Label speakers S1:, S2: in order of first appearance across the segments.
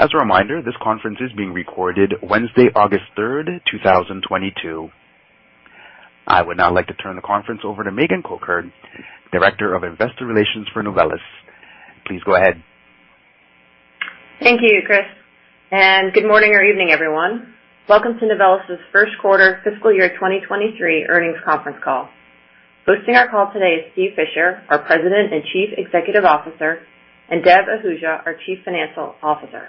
S1: As a reminder, this conference is being recorded Wednesday, August 3rd, 2022. I would now like to turn the conference over to Megan Colcord, Director of Investor Relations for Novelis. Please go ahead.
S2: Thank you, Chris, and good morning or evening, everyone. Welcome to Novelis's first quarter fiscal year 2023 earnings conference call. Hosting our call today is Steve Fisher, our President and Chief Executive Officer, and Dev Ahuja, our Chief Financial Officer.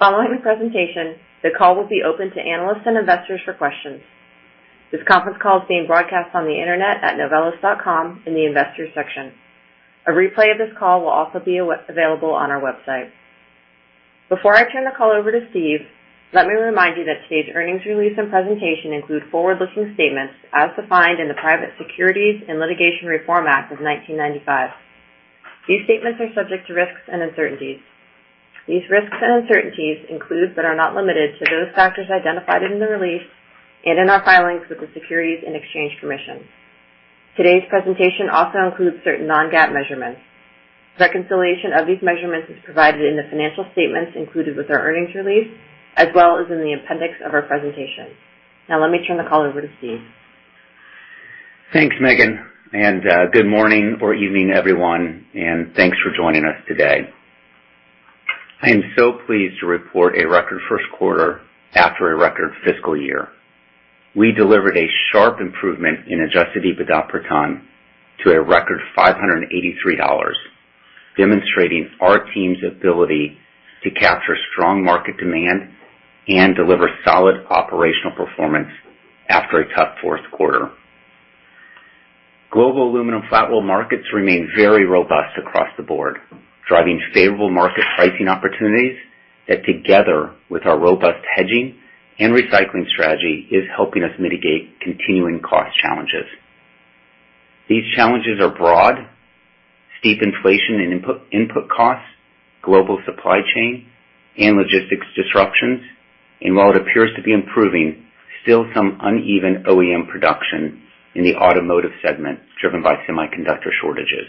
S2: Following the presentation, the call will be open to analysts and investors for questions. This conference call is being broadcast on the Internet at novelis.com in the Investors section. A replay of this call will also be available on our website. Before I turn the call over to Steve, let me remind you that today's earnings release and presentation include forward-looking statements as defined in the Private Securities Litigation Reform Act of 1995. These statements are subject to risks and uncertainties. These risks and uncertainties include, but are not limited to, those factors identified in the release and in our filings with the Securities and Exchange Commission. Today's presentation also includes certain non-GAAP measurements. Reconciliation of these measurements is provided in the financial statements included with our earnings release, as well as in the appendix of our presentation. Now let me turn the call over to Steve.
S3: Thanks, Megan. Good morning or evening, everyone, and thanks for joining us today. I am so pleased to report a record first quarter after a record fiscal year. We delivered a sharp improvement in adjusted EBITDA per ton to a record $583, demonstrating our team's ability to capture strong market demand and deliver solid operational performance after a tough fourth quarter. Global aluminum flat roll markets remain very robust across the board, driving favorable market pricing opportunities that, together with our robust hedging and recycling strategy, is helping us mitigate continuing cost challenges. These challenges are broad, steep inflation and input costs, global supply chain and logistics disruptions. While it appears to be improving, still some uneven OEM production in the automotive segment, driven by semiconductor shortages.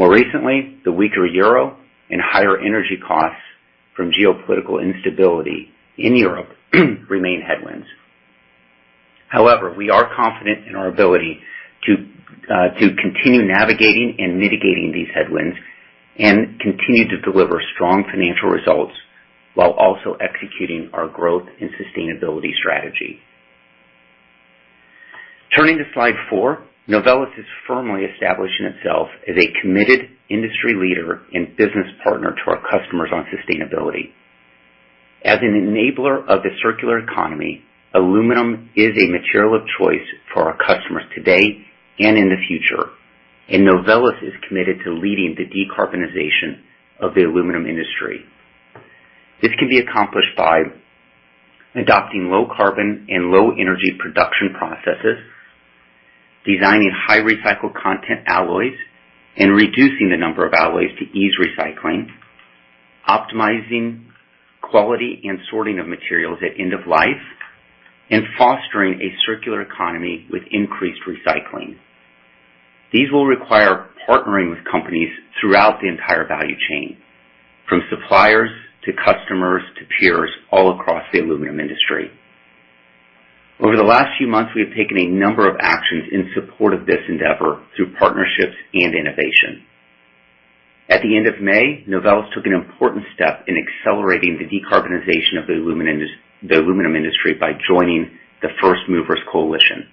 S3: More recently, the weaker EUR and higher energy costs from geopolitical instability in Europe remain headwinds. We are confident in our ability to continue navigating and mitigating these headwinds and continue to deliver strong financial results while also executing our growth and sustainability strategy. Turning to slide four, Novelis has firmly established itself as a committed industry leader and business partner to our customers on sustainability. As an enabler of the circular economy, aluminum is a material of choice for our customers today and in the future, and Novelis is committed to leading the decarbonization of the aluminum industry. This can be accomplished by adopting low carbon and low energy production processes, designing high recycled content alloys and reducing the number of alloys to ease recycling, optimizing quality and sorting of materials at end of life, and fostering a circular economy with increased recycling. These will require partnering with companies throughout the entire value chain, from suppliers to customers to peers all across the aluminum industry. Over the last few months, we have taken a number of actions in support of this endeavor through partnerships and innovation. At the end of May, Novelis took an important step in accelerating the decarbonization of the aluminum industry by joining the First Movers Coalition.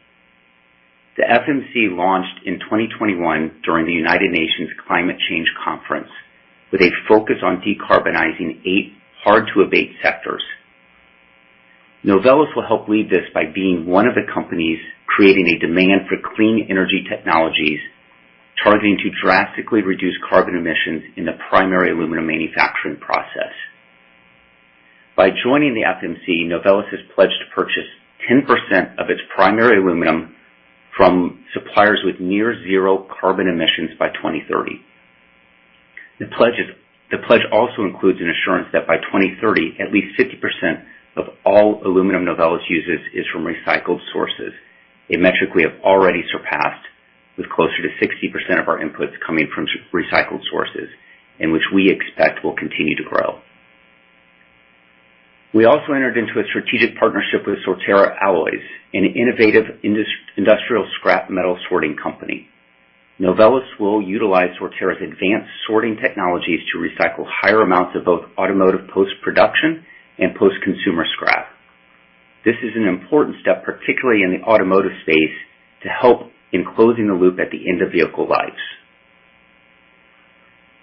S3: The FMC launched in 2021 during the United Nations Climate Change Conference, with a focus on decarbonizing eight hard-to-abate sectors. Novelis will help lead this by being one of the companies creating a demand for clean energy technologies, targeting to drastically reduce carbon emissions in the primary aluminum manufacturing process. By joining the FMC, Novelis has pledged to purchase 10% of its primary aluminum from suppliers with near zero carbon emissions by 2030. The pledge is... The pledge also includes an assurance that by 2030, at least 50% of all aluminum Novelis uses is from recycled sources, a metric we have already surpassed, with closer to 60% of our inputs coming from recycled sources, and which we expect will continue to grow. We also entered into a strategic partnership with Sortera Alloys, an innovative industrial scrap metal sorting company. Novelis will utilize Sortera's advanced sorting technologies to recycle higher amounts of both automotive post-production and post-consumer scrap. This is an important step, particularly in the automotive space, to help in closing the loop at the end of vehicle lives.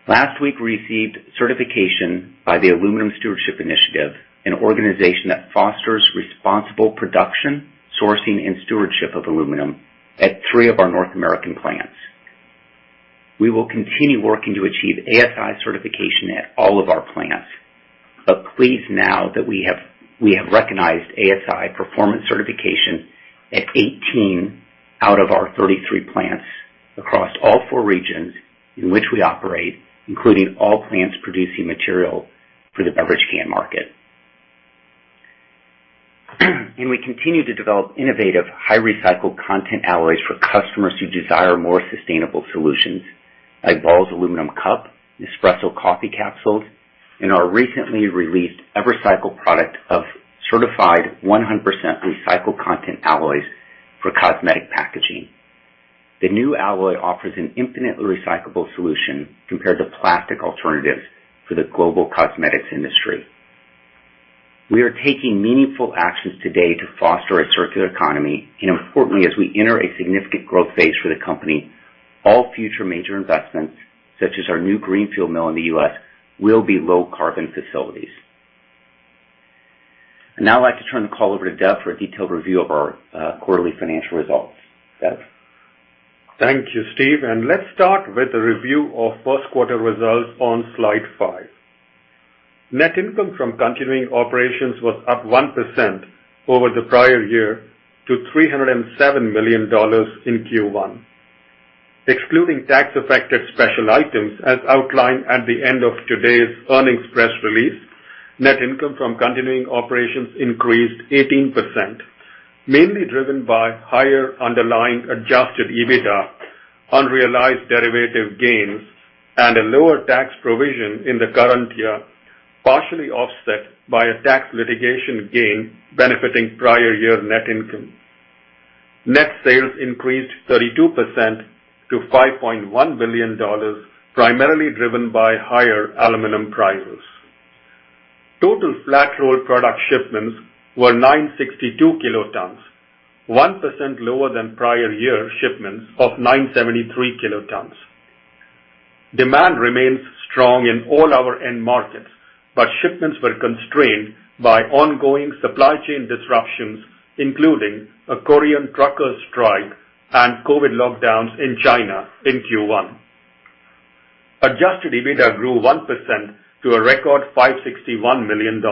S3: Last week, we received certification by the Aluminum Stewardship Initiative, an organization that fosters responsible production, sourcing and stewardship of aluminum at three of our North American plants. We will continue working to achieve ASI certification at all of our plants, but pleased now that we have recognized ASI performance certification at 18 out of our 33 plants across all four regions in which we operate, including all plants producing material for the beverage can market. We continue to develop innovative, high-recycled content alloys for customers who desire more sustainable solutions, like Ball Aluminum Cup, Nespresso coffee capsules, and our recently released evercycle product of certified 100% recycled content alloys for cosmetic packaging. The new alloy offers an infinitely recyclable solution compared to plastic alternatives for the global cosmetics industry. We are taking meaningful actions today to foster a circular economy. Importantly, as we enter a significant growth phase for the company, all future major investments, such as our new greenfield mill in the U.S., will be low-carbon facilities. I'd now like to turn the call over to Dev for a detailed review of our quarterly financial results. Dev?
S4: Thank you, Steve. Let's start with a review of first quarter results on slide five. Net income from continuing operations was up 1% over the prior year to $307 million in Q1. Excluding tax-affected special items, as outlined at the end of today's earnings press release, net income from continuing operations increased 18%, mainly driven by higher underlying adjusted EBITDA, unrealized derivative gains, and a lower tax provision in the current year, partially offset by a tax litigation gain benefiting prior year net income. Net sales increased 32% to $5.1 billion, primarily driven by higher aluminum prices. Total flat-rolled product shipments were 962 kilotons, 1% lower than prior year shipments of 973 kilotons. Demand remains strong in all our end markets. Shipments were constrained by ongoing supply chain disruptions, including a Korean truckers strike and COVID lockdowns in China in Q1. Adjusted EBITDA grew 1% to a record $561 million.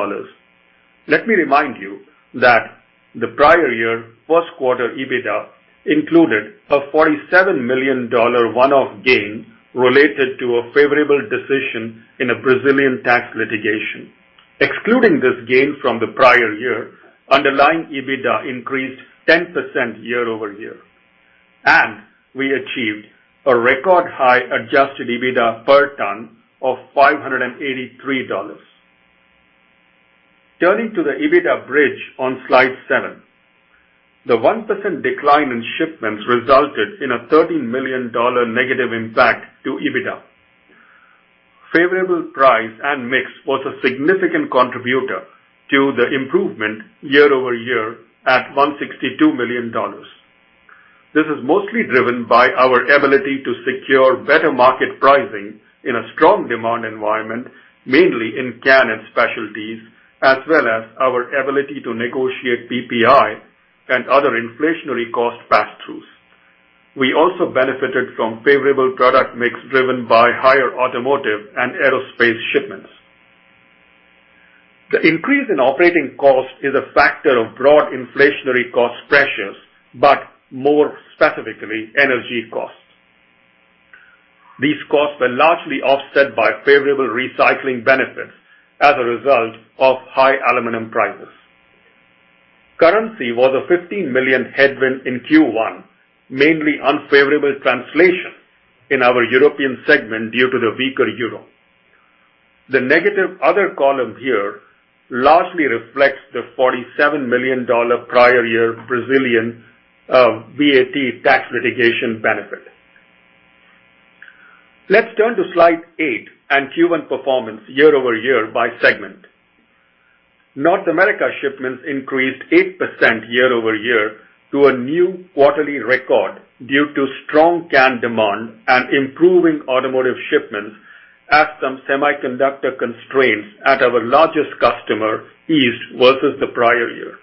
S4: Let me remind you that the prior year first quarter EBITDA included a $47 million one-off gain related to a favorable decision in a Brazilian tax litigation. Excluding this gain from the prior year, underlying EBITDA increased 10% year-over-year, and we achieved a record high adjusted EBITDA per ton of $583. Turning to the EBITDA bridge on slide seven, the 1% decline in shipments resulted in a $13 million negative impact to EBITDA. Favorable price and mix was a significant contributor to the improvement year-over-year at $162 million. This is mostly driven by our ability to secure better market pricing in a strong demand environment, mainly in can and specialties, as well as our ability to negotiate BPI and other inflationary cost pass-throughs. We also benefited from favorable product mix, driven by higher automotive and aerospace shipments. The increase in operating costs is a factor of broad inflationary cost pressures, but more specifically, energy costs. These costs were largely offset by favorable recycling benefits as a result of high aluminum prices. Currency was a $15 million headwind in Q1, mainly unfavorable translation in our European segment due to the weaker euro. The negative other column here largely reflects the $47 million prior year Brazilian VAT tax litigation benefit. Let's turn to slide 8 and Q1 performance year-over-year by segment. North America shipments increased 8% year-over-year to a new quarterly record due to strong can demand and improving automotive shipments as some semiconductor constraints at our largest customer eased versus the prior year.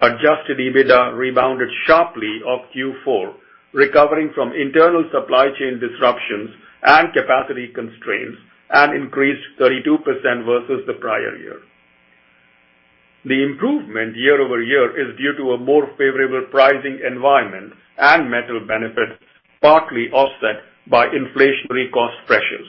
S4: Adjusted EBITDA rebounded sharply off Q4, recovering from internal supply chain disruptions and capacity constraints, and increased 32% versus the prior year. The improvement year-over-year is due to a more favorable pricing environment and metal benefits, partly offset by inflationary cost pressures.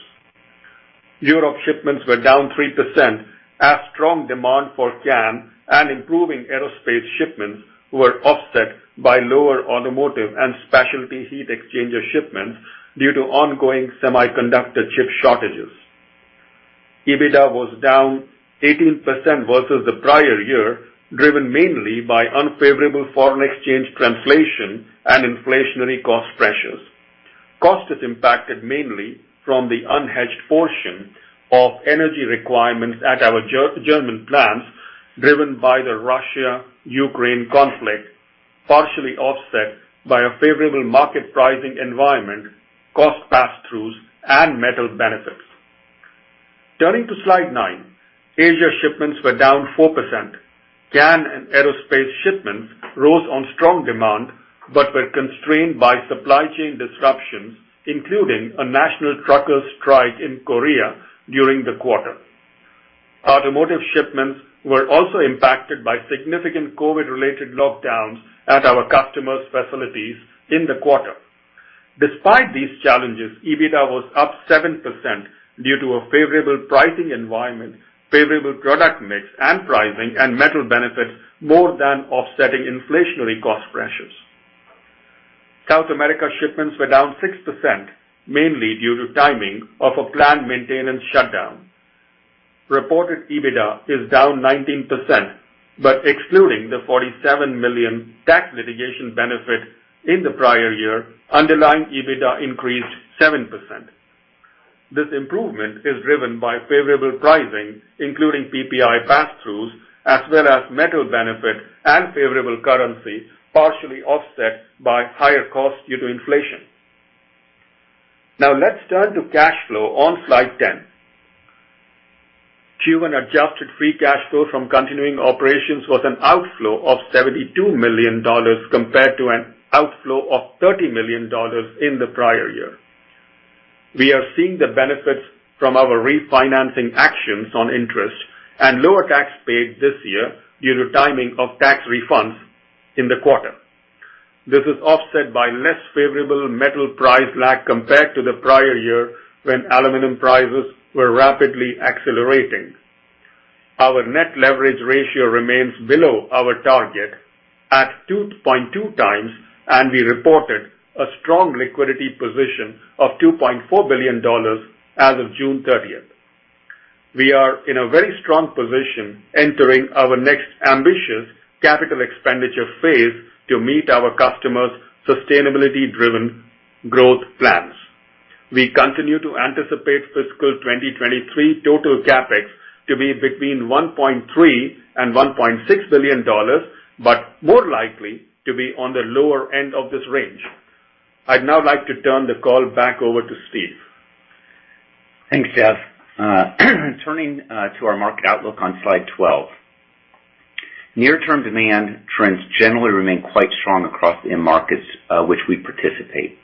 S4: Europe shipments were down 3%, as strong demand for can and improving aerospace shipments were offset by lower automotive and specialty heat exchanger shipments due to ongoing semiconductor chip shortages. EBITDA was down 18% versus the prior year, driven mainly by unfavorable foreign exchange translation and inflationary cost pressures. Cost is impacted mainly from the unhedged portion of energy requirements at our German plants, driven by the Russia-Ukraine conflict, partially offset by a favorable market pricing environment, cost pass-throughs, and metal benefits. Turning to slide nine, Asia shipments were down 4%. Can and aerospace shipments rose on strong demand, but were constrained by supply chain disruptions, including a national truckers strike in Korea during the quarter. Automotive shipments were also impacted by significant COVID-related lockdowns at our customers' facilities in the quarter. Despite these challenges, EBITDA was up 7% due to a favorable pricing environment, favorable product mix and pricing, and metal benefits more than offsetting inflationary cost pressures. South America shipments were down 6%, mainly due to timing of a planned maintenance shutdown. Reported EBITDA is down 19%, but excluding the $47 million tax litigation benefit in the prior year, underlying EBITDA increased 7%. This improvement is driven by favorable pricing, including PPI pass-throughs, as well as metal benefit and favorable currency, partially offset by higher costs due to inflation. Now let's turn to cash flow on slide 10. Q1 adjusted free cash flow from continuing operations was an outflow of $72 million compared to an outflow of $30 million in the prior year. We are seeing the benefits from our refinancing actions on interest and lower tax paid this year due to timing of tax refunds in the quarter. This is offset by less favorable metal price lag compared to the prior year, when aluminum prices were rapidly accelerating. Our net leverage ratio remains below our target at 2.2 times, and we reported a strong liquidity position of $2.4 billion as of June 30th. We are in a very strong position entering our next ambitious capital expenditure phase to meet our customers' sustainability-driven growth plans. We continue to anticipate fiscal 2023 total CapEx to be between $1.3 billion and $1.6 billion, but more likely to be on the lower end of this range. I'd now like to turn the call back over to Steve.
S3: Thanks, Dev. Turning to our market outlook on slide 12. Near-term demand trends generally remain quite strong across the end markets, which we participate.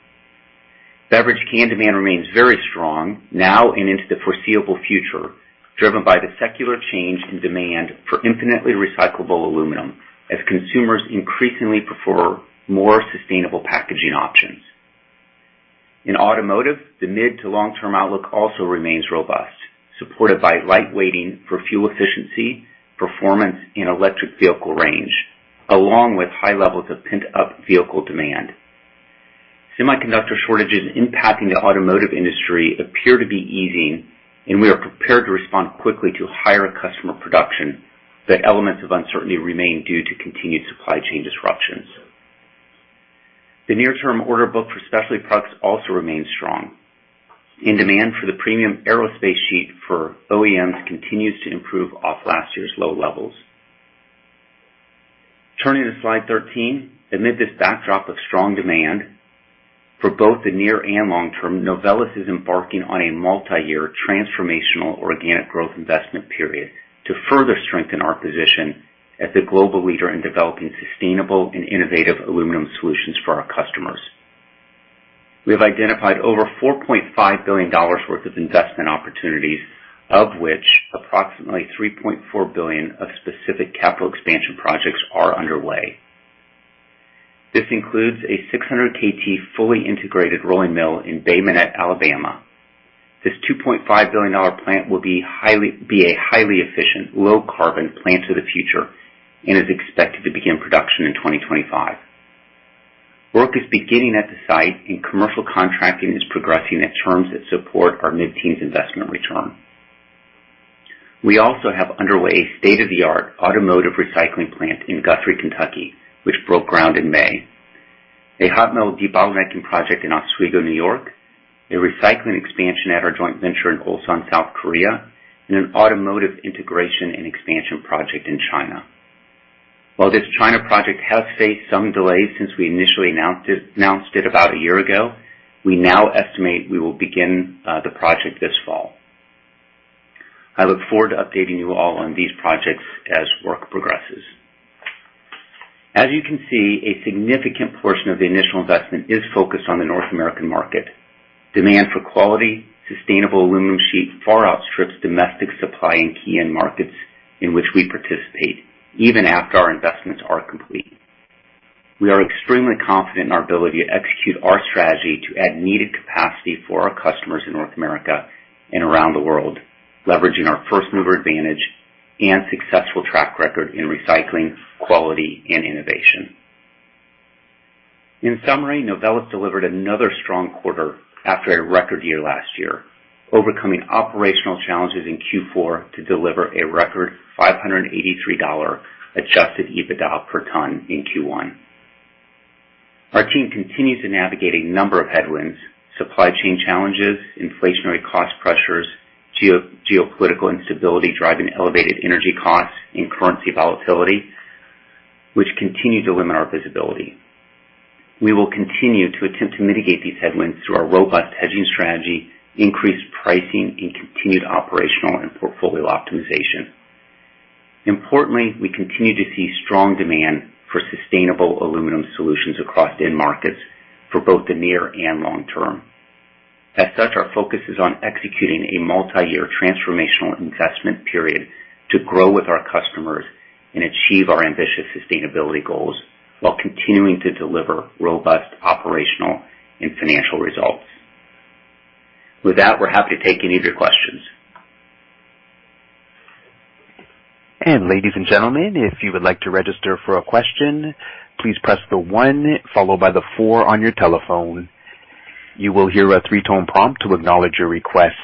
S3: Beverage can demand remains very strong now and into the foreseeable future, driven by the secular change in demand for infinitely recyclable aluminum as consumers increasingly prefer more sustainable packaging options. In automotive, the mid to long-term outlook also remains robust, supported by light weighting for fuel efficiency, performance, and electric vehicle range, along with high levels of pent-up vehicle demand. Semiconductor shortages impacting the automotive industry appear to be easing, and we are prepared to respond quickly to higher customer production, but elements of uncertainty remain due to continued supply chain disruptions. The near-term order book for specialty products also remains strong, and demand for the premium aerospace sheet for OEMs continues to improve off last year's low levels. Turning to slide 13. Amid this backdrop of strong demand for both the near and long term, Novelis is embarking on a multi-year transformational organic growth investment period to further strengthen our position as the global leader in developing sustainable and innovative aluminum solutions for our customers. We have identified over $4.5 billion worth of investment opportunities, of which approximately $3.4 billion of specific capital expansion projects are underway. This includes a 600 kt fully integrated rolling mill in Bay Minette, Alabama. This $2.5 billion plant will be a highly efficient, low-carbon plant of the future and is expected to begin production in 2025. Work is beginning at the site, and commercial contracting is progressing at terms that support our mid-teens investment return. We also have underway a state-of-the-art automotive recycling plant in Guthrie, Kentucky, which broke ground in May, a hot metal deballing project in Oswego, New York, a recycling expansion at our joint venture in Ulsan, South Korea, and an automotive integration and expansion project in China. While this China project has faced some delays since we initially announced it about a year ago, we now estimate we will begin the project this fall. I look forward to updating you all on these projects as work progresses. As you can see, a significant portion of the initial investment is focused on the North American market. Demand for quality, sustainable aluminum sheet far outstrips domestic supply in key end markets in which we participate, even after our investments are complete. We are extremely confident in our ability to execute our strategy to add needed capacity for our customers in North America and around the world, leveraging our first-mover advantage and successful track record in recycling, quality, and innovation. Novelis delivered another strong quarter after a record year last year, overcoming operational challenges in Q4 to deliver a record $583 adjusted EBITDA per ton in Q1. Our team continues to navigate a number of headwinds, supply chain challenges, inflationary cost pressures, geopolitical instability, driving elevated energy costs and currency volatility, which continue to limit our visibility. We will continue to attempt to mitigate these headwinds through our robust hedging strategy, increased pricing, and continued operational and portfolio optimization. We continue to see strong demand for sustainable aluminum solutions across end markets for both the near and long term. As such, our focus is on executing a multi-year transformational investment period to grow with our customers and achieve our ambitious sustainability goals, while continuing to deliver robust operational and financial results. With that, we're happy to take any of your questions.
S1: Ladies and gentlemen, if you would like to register for a question, please press the one followed by the four on your telephone. You will hear a 3-tone prompt to acknowledge your request.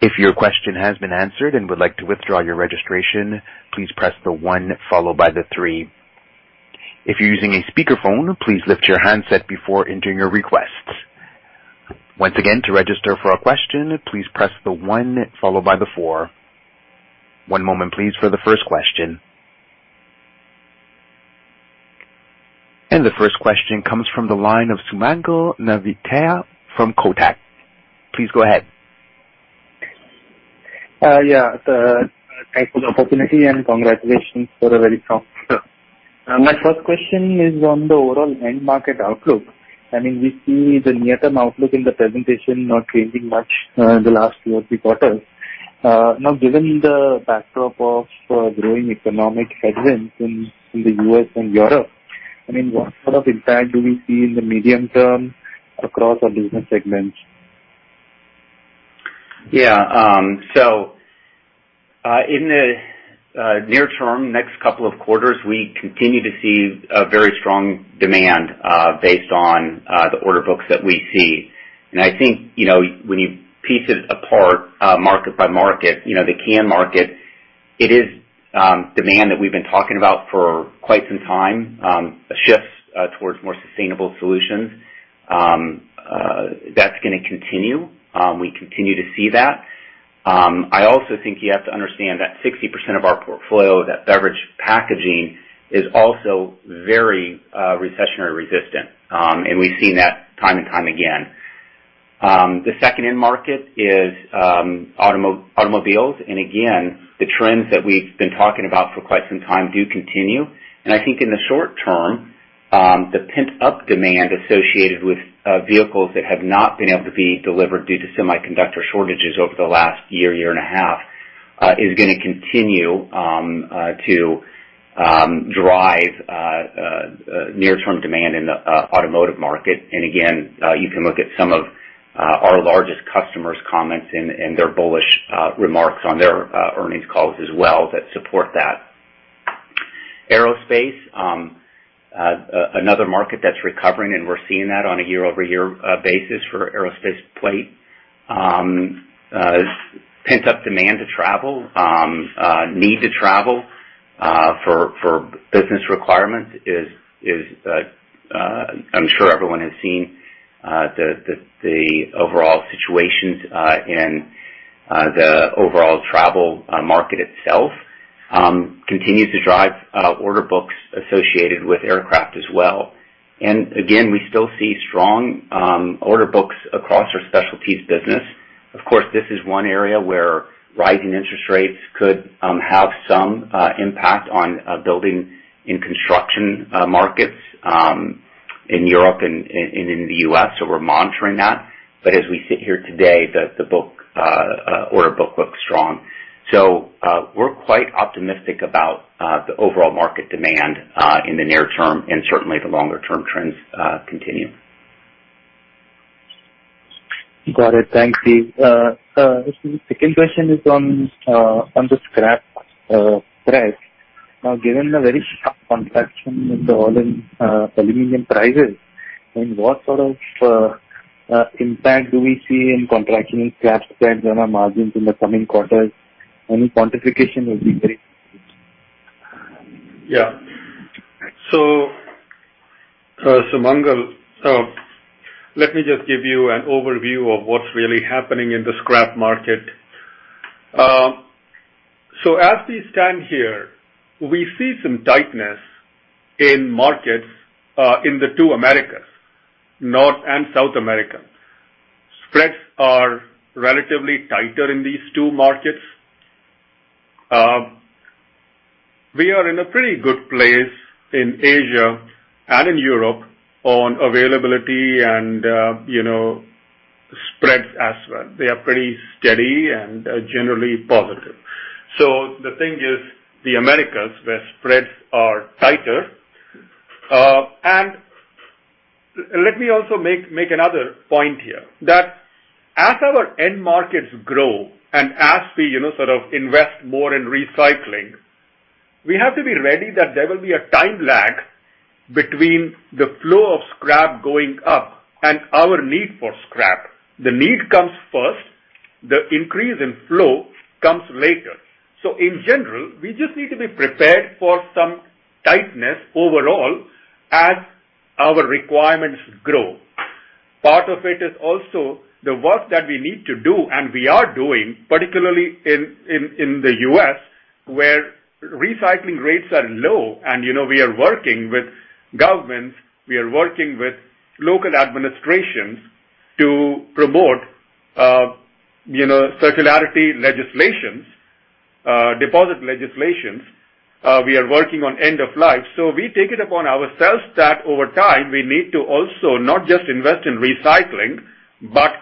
S1: If your question has been answered and would like to withdraw your registration, please press the one followed by the three. If you're using a speakerphone, please lift your handset before entering your request. Once again, to register for a question, please press the one followed by the four. One moment, please, for the first question. The first question comes from the line of Sumangal Nevatia from Kotak. Please go ahead.
S5: Yeah, thanks for the opportunity. Congratulations for a very strong quarter. My first question is on the overall end market outlook. I mean, we see the near-term outlook in the presentation not changing much in the last two or three quarters. Now, given the backdrop of growing economic headwinds in the U.S. and Europe, I mean, what sort of impact do we see in the medium term across our business segments?
S3: Yeah, so, in the near term, next couple of quarters, we continue to see a very strong demand, based on the order books that we see. I think, you know, when you piece it apart, market by market, you know, the can market, it is demand that we've been talking about for quite some time, a shift towards more sustainable solutions. That's gonna continue. We continue to see that. I also think you have to understand that 60% of our portfolio, that beverage packaging, is also very recessionary resistant, and we've seen that time and time again. The second end market is automobiles, and again, the trends that we've been talking about for quite some time do continue. I think in the short term, the pent-up demand associated with vehicles that have not been able to be delivered due to semiconductor shortages over the last year, one and a half, is gonna continue to drive near-term demand in the automotive market. Again, you can look at some of our largest customers' comments and their bullish remarks on their earnings calls as well that support that. Aerospace, another market that's recovering, and we're seeing that on a year-over-year basis for aerospace plate. Pent-up demand to travel, need to travel for business requirements is, I'm sure everyone has seen, the overall situations in the overall travel market itself, continues to drive order books associated with aircraft as well. Again, we still see strong order books across our specialties business. Of course, this is one area where rising interest rates could have some impact on building in construction markets in Europe and in the U.S., so we're monitoring that. As we sit here today, the order book looks strong. We're quite optimistic about the overall market demand in the near term, and certainly the longer-term trends continue.
S5: Got it. Thanks, Steve. The second question is on the scrap price. Now, given the very sharp contraction in the all in aluminum prices, I mean, what sort of impact do we see in contracting scrap spreads on our margins in the coming quarters? Any quantification will be great.
S4: Yeah. Sumangal, let me just give you an overview of what's really happening in the scrap market. As we stand here, we see some tightness in markets in the two Americas, North and South America. Spreads are relatively tighter in these two markets. We are in a pretty good place in Asia and in Europe on availability and, you know, spreads as well. They are pretty steady and generally positive. The thing is, the Americas, where spreads are tighter. Let me also make another point here, that as our end markets grow and as we, you know, sort of invest more in recycling, we have to be ready that there will be a time lag between the flow of scrap going up and our need for scrap. The need comes first, the increase in flow comes later. In general, we just need to be prepared for some tightness overall as our requirements grow. Part of it is also the work that we need to do, and we are doing, particularly in the U.S., where recycling rates are low and, you know, we are working with governments, we are working with local administrations to promote, you know, circularity legislations, deposit legislations, we are working on end of life. We take it upon ourselves that over time, we need to also not just invest in recycling, but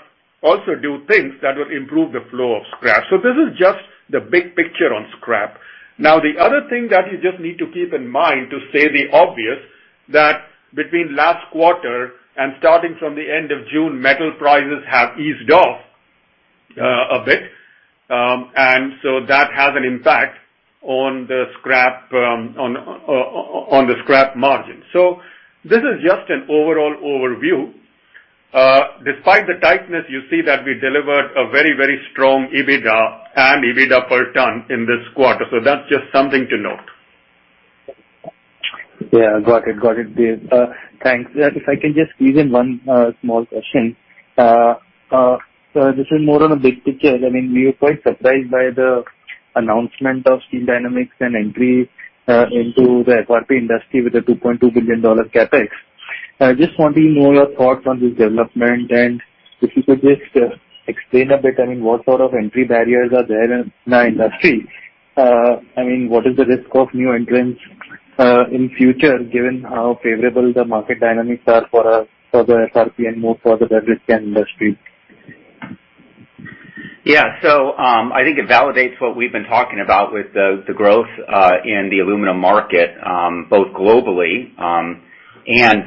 S4: also do things that will improve the flow of scrap. This is just the big picture on scrap. The other thing that you just need to keep in mind, to say the obvious, that between last quarter and starting from the end of June, metal prices have eased off a bit. That has an impact on the scrap on the scrap margin. This is just an overall overview. Despite the tightness, you see that we delivered a very, very strong EBITDA and EBITDA per ton in this quarter. That's just something to note.
S5: Yeah, got it. Got it, Dev. Thanks. If I can just squeeze in one small question. This is more on a big picture. I mean, we were quite surprised by the announcement of Steel Dynamics and entry into the FRP industry with a $2.2 billion CapEx. I just want to know your thoughts on this development, and if you could just explain a bit, I mean, what sort of entry barriers are there in our industry? I mean, what is the risk of new entrants in future, given how favorable the market dynamics are for us, for the FRP and more for the beverage can industry?
S3: Yeah. I think it validates what we've been talking about with the growth in the aluminum market, both globally, and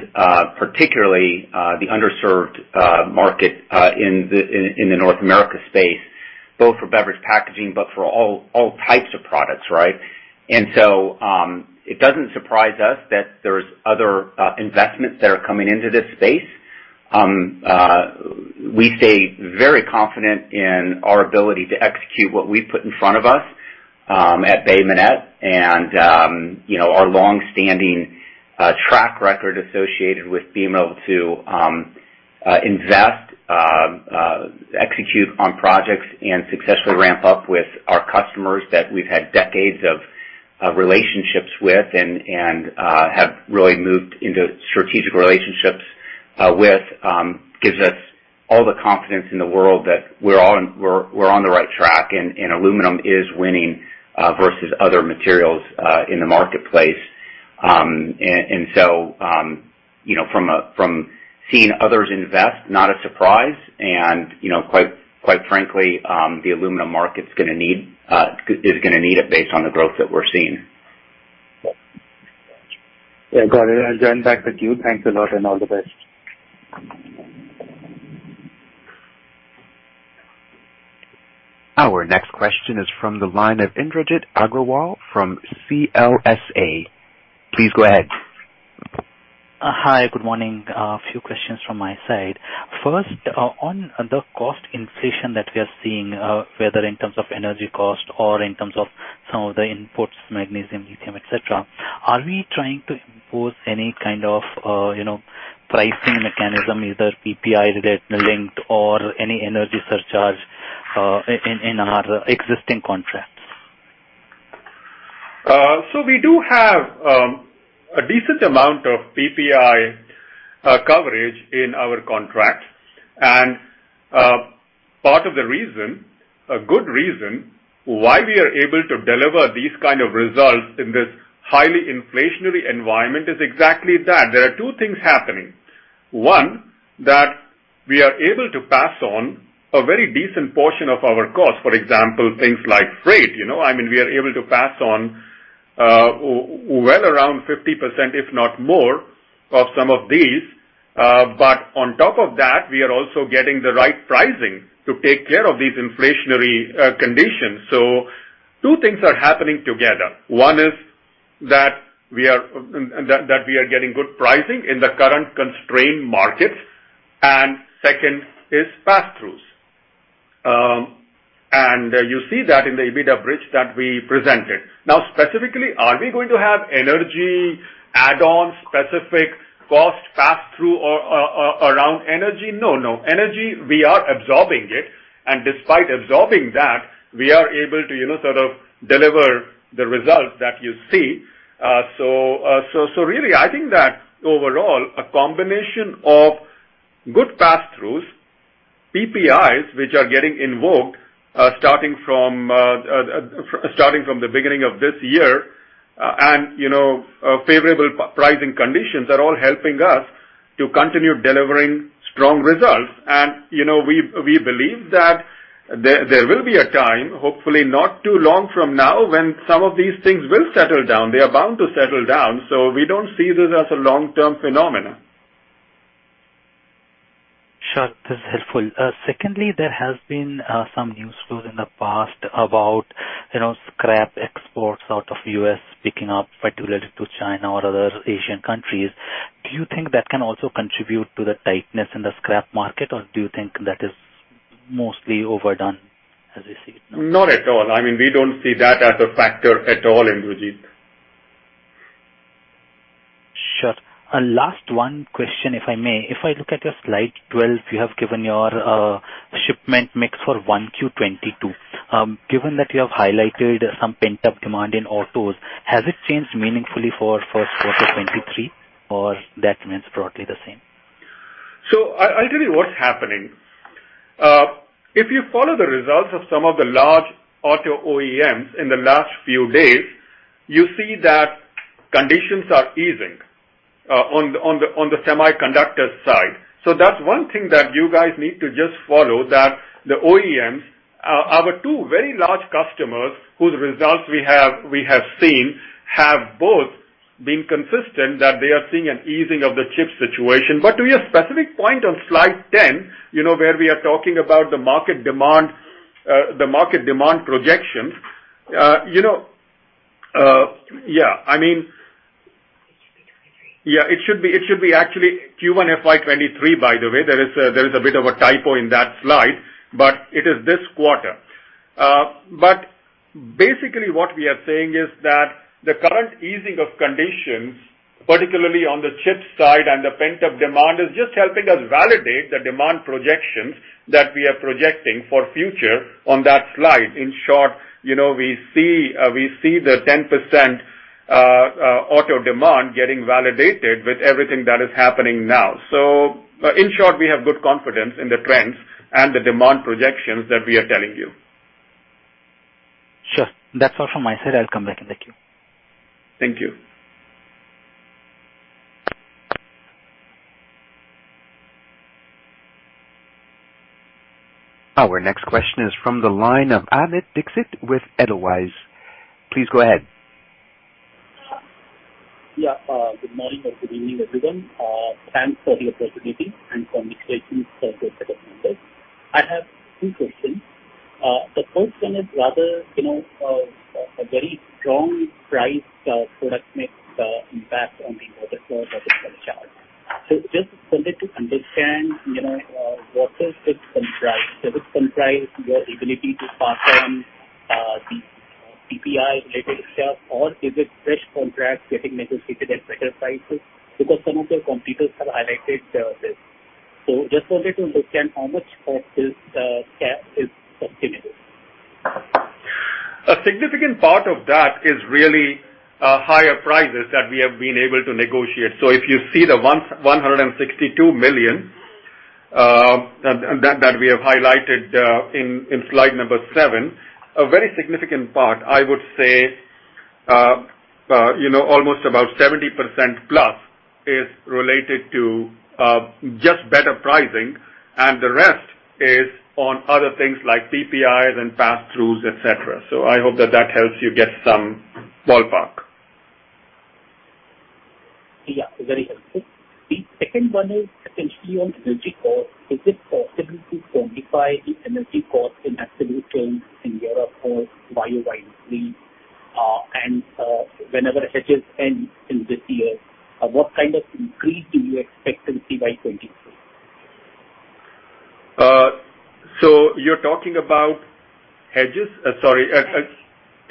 S3: particularly, the underserved market in the North America space, both for beverage packaging, but for all types of products, right? It doesn't surprise us that there's other investments that are coming into this space. We stay very confident in our ability to execute what we put in front of us, at Bay Minette. You know, our long-standing track record associated with being able to invest, execute on projects and successfully ramp up with our customers that we've had decades of relationships with and have really moved into strategic relationships with, gives us all the confidence in the world that we're on the right track, and aluminum is winning versus other materials in the marketplace. So, you know, from a, from seeing others invest, not a surprise. You know, quite frankly, the aluminum market's gonna need it based on the growth that we're seeing.
S5: Yeah, got it. Back with you. Thanks a lot, and all the best.
S1: Our next question is from the line of Indrajit Agarwal from CLSA. Please go ahead.
S6: Hi, good morning. A few questions from my side. First, on the cost inflation that we are seeing, whether in terms of energy cost or in terms of some of the inputs, magnesium, lithium, et cetera, are we trying to impose any kind of, you know, pricing mechanism, either PPI rate linked or any energy surcharge, in our existing contracts?
S4: We do have a decent amount of PPI coverage in our contracts. Part of the reason, a good reason, why we are able to deliver these kind of results in this highly inflationary environment is exactly that. There are two things happening. One, that we are able to pass on a very decent portion of our cost. For example, things like freight, you know, I mean, we are able to pass on well, around 50%, if not more, of some of these. On top of that, we are also getting the right pricing to take care of these inflationary conditions. Two things are happening together. One is that we are that we are getting good pricing in the current constrained markets, and second is pass-throughs. You see that in the EBITDA bridge that we presented. Now, specifically, are we going to have energy add-on, specific cost pass-through around energy? No. Energy, we are absorbing it, and despite absorbing that, we are able to, you know, sort of deliver the results that you see. So really, I think that overall, a combination of good pass-throughs, PPIs, which are getting invoked, starting from the beginning of this year, and, you know, favorable pricing conditions are all helping us to continue delivering strong results. You know, we believe that there will be a time, hopefully not too long from now, when some of these things will settle down. They are bound to settle down, so we don't see this as a long-term phenomenon.
S6: Sure, this is helpful. Secondly, there has been some news flows in the past about, you know, scrap exports out of U.S. picking up, particularly to China or other Asian countries. Do you think that can also contribute to the tightness in the scrap market, or do you think that is mostly overdone, as you see it now?
S4: Not at all. I mean, we don't see that as a factor at all, Indrajit.
S6: Sure. Last one question, if I may: If I look at your slide 12, you have given your shipment mix for 1Q 2022. Given that you have highlighted some pent-up demand in autos, has it changed meaningfully for first quarter 2023, or that remains broadly the same?
S4: I'll tell you what's happening. If you follow the results of some of the large auto OEMs in the last few days, you see that conditions are easing, on the semiconductor side. That's one thing that you guys need to just follow, that the OEMs, our two very large customers whose results we have seen, have both been consistent that they are seeing an easing of the chip situation. To your specific point on slide 10, you know, where we are talking about the market demand, the market demand projections, you know, yeah, I mean.
S3: It should be 2023.
S4: Yeah, it should be actually Q1 FY 2023, by the way. There is a bit of a typo in that slide, but it is this quarter. Basically what we are saying is that the current easing of conditions, particularly on the chip side and the pent-up demand, is just helping us validate the demand projections that we are projecting for future on that slide. In short, you know, we see, we see the 10% auto demand getting validated with everything that is happening now. In short, we have good confidence in the trends and the demand projections that we are telling you.
S6: Sure. That's all from my side. I'll come back and thank you.
S4: Thank you.
S1: Our next question is from the line of Amit Dixit with Edelweiss. Please go ahead.
S7: Yeah. Good morning or good evening, everyone. Thanks for the opportunity and congratulations for the set of numbers. I have two questions. The first one is rather, you know, a very strong price, product mix, impact on the order flow that is charged. Just wanted to understand, you know, what does this comprise? Does this comprise your ability to pass on the PPI related stuff, or is it fresh contracts getting negotiated at better prices? Because some of your competitors have highlighted this. Just wanted to understand how much of this gap is sustainable.
S4: A significant part of that is really higher prices that we have been able to negotiate. If you see the $162 million that we have highlighted in slide number seven, a very significant part, I would say, you know, almost about 70% plus is related to just better pricing, and the rest is on other things like PPIs and passthroughs, et cetera. I hope that that helps you get some ballpark.
S7: Yeah, very helpful. The second one is essentially on energy cost. Is it possible to quantify the energy cost in absolute terms in Europe for YOY 3? Whenever hedges end in this year, what kind of increase do you expect to see by 2023?
S4: You're talking about hedges? Sorry.
S7: Hedges.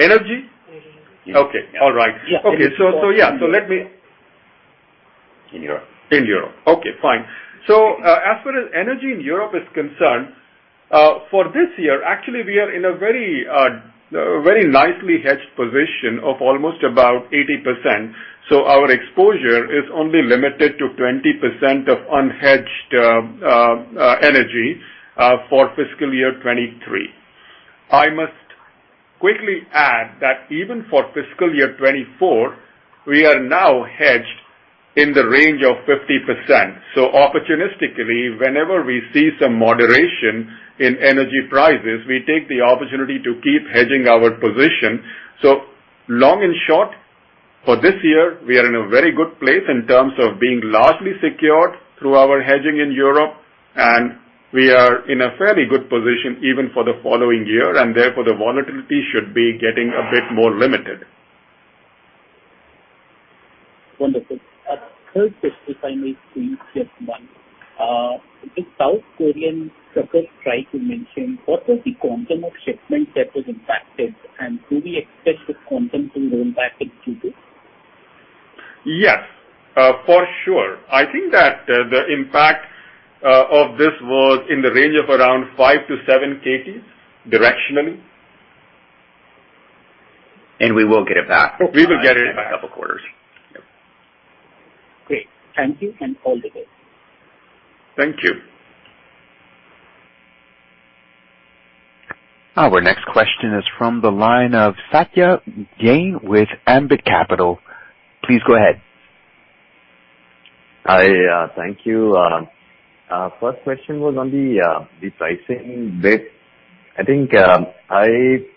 S4: Energy?
S7: Energy.
S4: Okay. All right.
S7: Yeah.
S4: Okay, so, yeah, so.
S7: In Europe.
S4: In Europe. Okay, fine. As far as energy in Europe is concerned, for this year, actually, we are in a very nicely hedged position of almost about 80%. Our exposure is only limited to 20% of unhedged energy for fiscal year 2023. I must quickly add that even for fiscal year 2024, we are now hedged in the range of 50%. Opportunistically, whenever we see some moderation in energy prices, we take the opportunity to keep hedging our position. Long and short, for this year, we are in a very good place in terms of being largely secured through our hedging in Europe, and we are in a fairly good position even for the following year. Therefore, the volatility should be getting a bit more limited.
S7: Wonderful. A third question, if I may please, just one. The South Korean truckers strike, what was the quantum of shipments that was impacted, and do we expect the quantum to be impacted due to?
S4: Yes, for sure. I think that the impact of this was in the range of around 5-7 kt directionally.
S3: We will get it back.
S4: We will get it.
S3: In a couple quarters. Yep.
S7: Great. Thank you, and all the best.
S4: Thank you.
S1: Our next question is from the line of Satyadeep Jain with Ambit Capital. Please go ahead.
S8: Hi, thank you. First question was on the pricing bit. I think,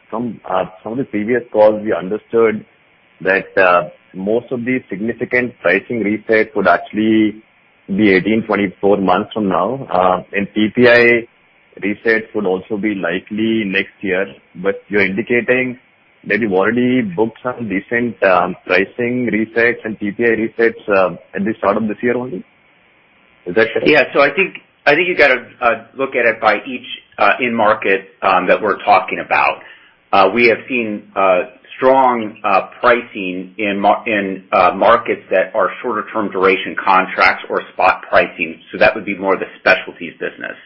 S8: From some of the previous calls, we understood that most of the significant pricing resets would actually be 18 months, 24 months from now, and PPI resets would also be likely next year. You're indicating maybe you've already booked some decent pricing resets and PPI resets at the start of this year only. Is that correct?
S3: I think you got to look at it by each end market that we're talking about. We have seen strong pricing in markets that are shorter term duration contracts or spot pricing, so that would be more the specialties business.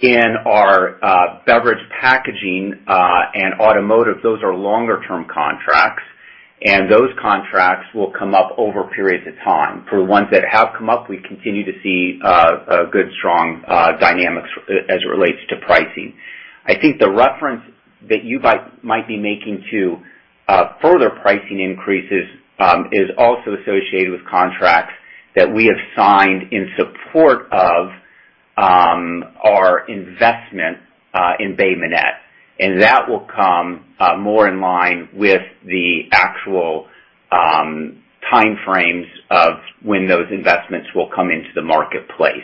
S3: In our beverage packaging and automotive, those are longer-term contracts, and those contracts will come up over periods of time. For the ones that have come up, we continue to see a good, strong dynamics as it relates to pricing. I think the reference that you might be making to further pricing increases, is also associated with contracts that we have signed in support of our investment in Bay Minette, and that will come more in line with the actual time frames of when those investments will come into the marketplace.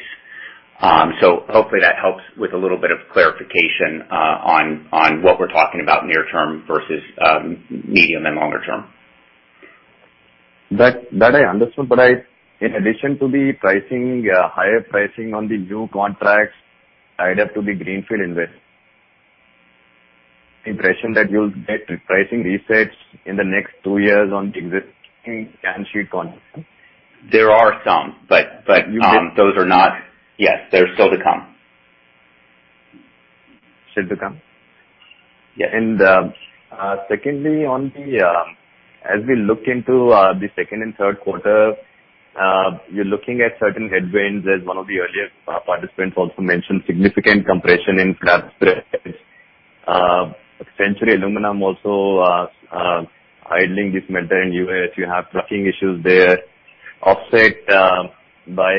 S3: Hopefully that helps with a little bit of clarification on what we're talking about near term versus medium and longer term.
S8: That I understood. In addition to the pricing, higher pricing on the new contracts, I'd have to be greenfield invest. Impression that you'll get pricing resets in the next two years on existing balance sheet contracts?
S3: There are some, but, those are.
S8: Yes.
S3: Yes, they're still to come.
S8: Still to come? Yeah, secondly, on the, as we look into the second and third quarter, you're looking at certain headwinds, as one of the earlier participants also mentioned, significant compression in flat price. Essentially, aluminum also idling this metal in U.S., you have trucking issues there, offset by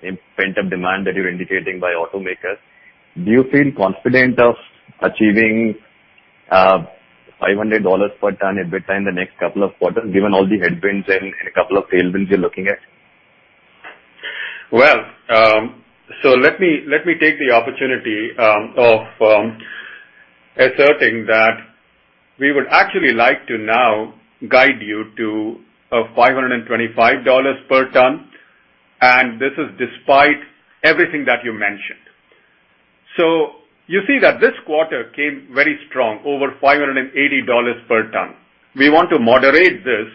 S8: pent-up demand that you're indicating by automakers. Do you feel confident of achieving $500 per ton EBITDA in the next couple of quarters, given all the headwinds and a couple of tailwinds you're looking at?
S4: Well, let me take the opportunity of asserting that we would actually like to now guide you to $525 per ton, and this is despite everything that you mentioned. You see that this quarter came very strong, over $580 per ton. We want to moderate this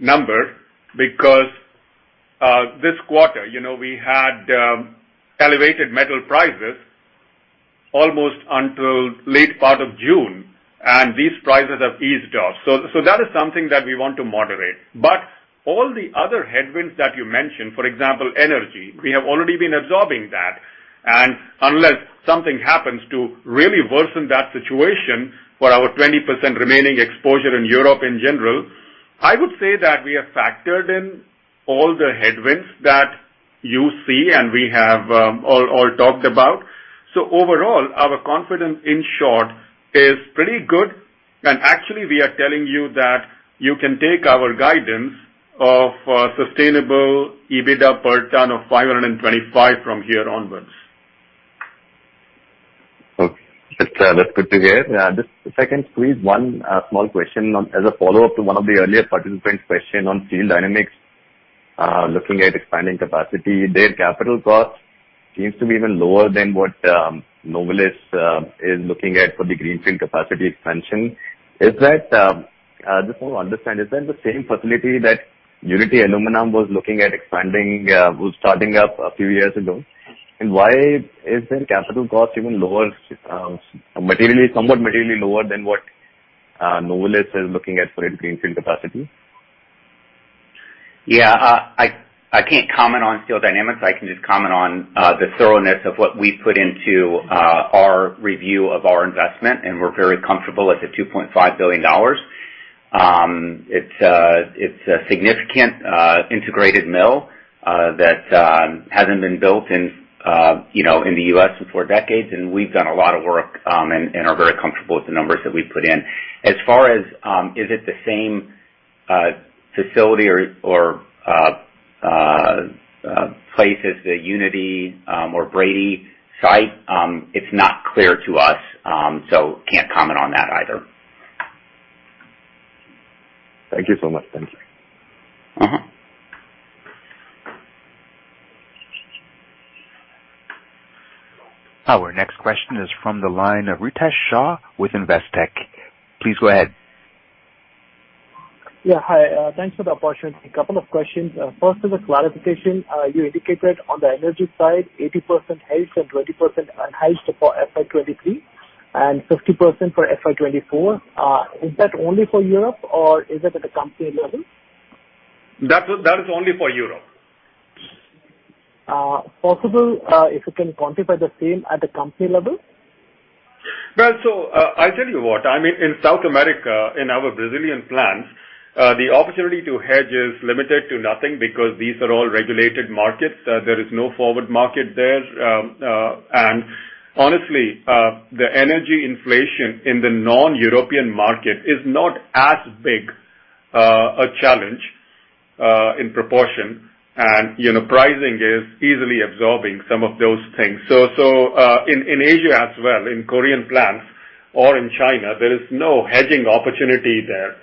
S4: number because this quarter, you know, we had elevated metal prices almost until late part of June, and these prices have eased off. That is something that we want to moderate. All the other headwinds that you mentioned, for example, energy, we have already been absorbing that, and unless something happens to really worsen that situation for our 20% remaining exposure in Europe in general, I would say that we have factored in all the headwinds that you see, and we have all talked about. Overall, our confidence, in short, is pretty good. Actually, we are telling you that you can take our guidance of sustainable EBITDA per ton of $525 from here onwards.
S8: Okay. That's, that's good to hear. Yeah, just if I can squeeze one small question on as a follow-up to one of the earlier participant's question on Steel Dynamics. Looking at expanding capacity, their capital cost seems to be even lower than what Novelis is looking at for the greenfield capacity expansion. Is that, I just want to understand, is that the same facility that Unity Aluminum was looking at expanding, was starting up a few years ago? Why is their capital cost even lower, materially, somewhat materially lower than what Novelis is looking at for its greenfield capacity?
S3: Yeah, I can't comment on Steel Dynamics. I can just comment on the thoroughness of what we put into our review of our investment, we're very comfortable at the $2.5 billion. It's a significant integrated mill that hasn't been built in, you know, in the U.S. for decades. We've done a lot of work, and are very comfortable with the numbers that we put in. As far as, is it the same facility or place as the Unity or Guthrie site? It's not clear to us, so can't comment on that either.
S8: Thank you so much. Thank you.
S3: Mm-hmm.
S1: Our next question is from the line of Ritesh Shah with Investec. Please go ahead.
S9: Yeah, hi. Thanks for the opportunity. A couple of questions. First, as a clarification, you indicated on the energy side, 80% hedged and 20% unhedged for FY 2023, and 50% for FY 2024. Is that only for Europe or is it at a company level?
S4: That is only for Europe.
S9: Possible, if you can quantify the same at the company level?
S4: I'll tell you what, I mean, in South America, in our Brazilian plants, the opportunity to hedge is limited to nothing because these are all regulated markets. There is no forward market there. Honestly, the energy inflation in the non-European market is not as big a challenge in proportion, and, you know, pricing is easily absorbing some of those things. In Asia as well, in Korean plants or in China, there is no hedging opportunity there.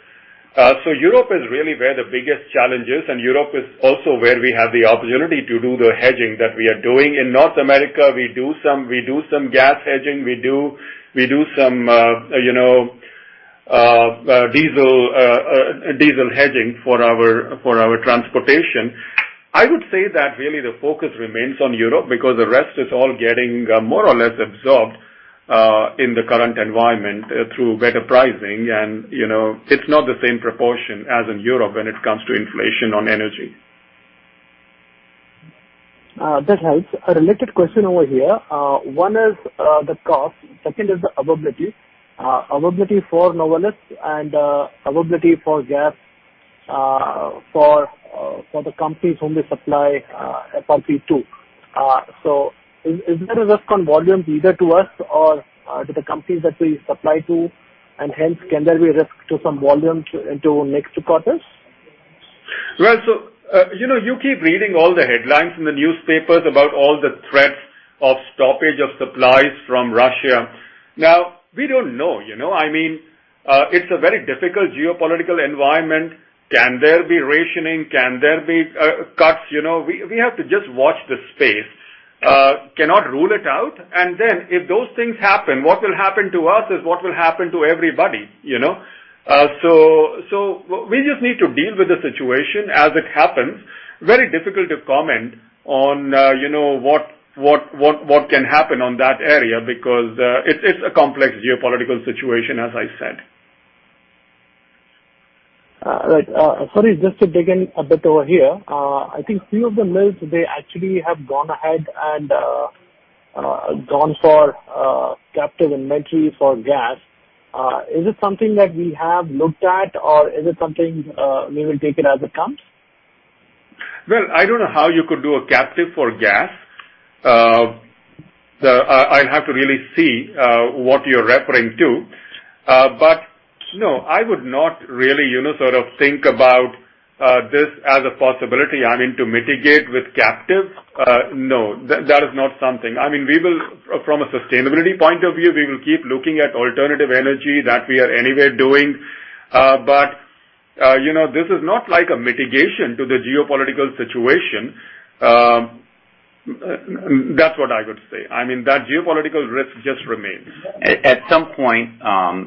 S4: Europe is really where the biggest challenge is, and Europe is also where we have the opportunity to do the hedging that we are doing. In North America, we do some gas hedging, we do some diesel hedging for our, for our transportation. I would say that really the focus remains on Europe, because the rest is all getting more or less absorbed in the current environment through better pricing. You know, it's not the same proportion as in Europe when it comes to inflation on energy.
S9: Uh, that helps. A related question over here, uh, one is, uh, the cost, second is the availability. Uh, availability for novelis and, uh, availability for gas, uh, for, uh, for the companies whom we supply, uh, company two. Uh, so is, is there a risk on volumes either to us or, uh, to the companies that we supply to? And hence, can there be risk to some volumes to into next two quarters?
S4: You know, you keep reading all the headlines in the newspapers about all the threats of stoppage of supplies from Russia. We don't know, you know? I mean, it's a very difficult geopolitical environment. Can there be rationing? Can there be cuts? You know, we have to just watch the space. Cannot rule it out. If those things happen, what will happen to us is what will happen to everybody, you know? So we just need to deal with the situation as it happens. Very difficult to comment on, you know, what can happen on that area, because it's a complex geopolitical situation, as I said.
S9: Right. Sorry, just to dig in a bit over here. I think few of the mills, they actually have gone ahead and gone for captive inventory for gas. Is it something that we have looked at, or is it something we will take it as it comes?
S4: Well, I don't know how you could do a captive for gas. I'd have to really see what you're referring to. No, I would not really, you know, sort of think about this as a possibility. I mean, to mitigate with captive, no, that is not something. I mean, we will, from a sustainability point of view, we will keep looking at alternative energy that we are anyway doing. You know, this is not like a mitigation to the geopolitical situation. That's what I would say. I mean, that geopolitical risk just remains.
S3: At some point,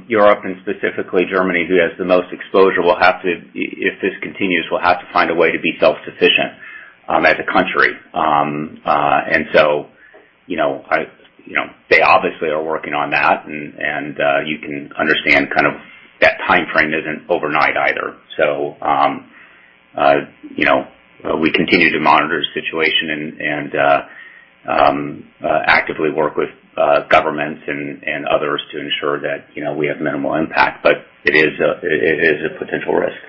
S3: Europe and specifically Germany, who has the most exposure, will have to, if this continues, will have to find a way to be self-sufficient as a country. You know, I, you know, they obviously are working on that. You can understand kind of that timeframe isn't overnight either. You know, we continue to monitor the situation and actively work with governments and others to ensure that, you know, we have minimal impact, but it is a potential risk.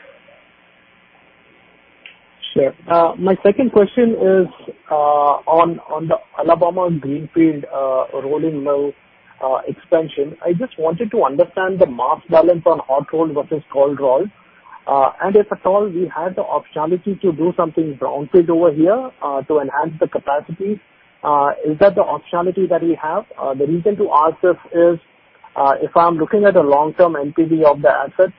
S9: Sure. My second question is on the Alabama greenfield rolling mill expansion. I just wanted to understand the mass balance on hot roll versus cold roll. If at all, we had the optionality to do something brownfield over here to enhance the capacity. Is that the optionality that we have? The reason to ask this is, if I'm looking at a long-term NPV of the asset,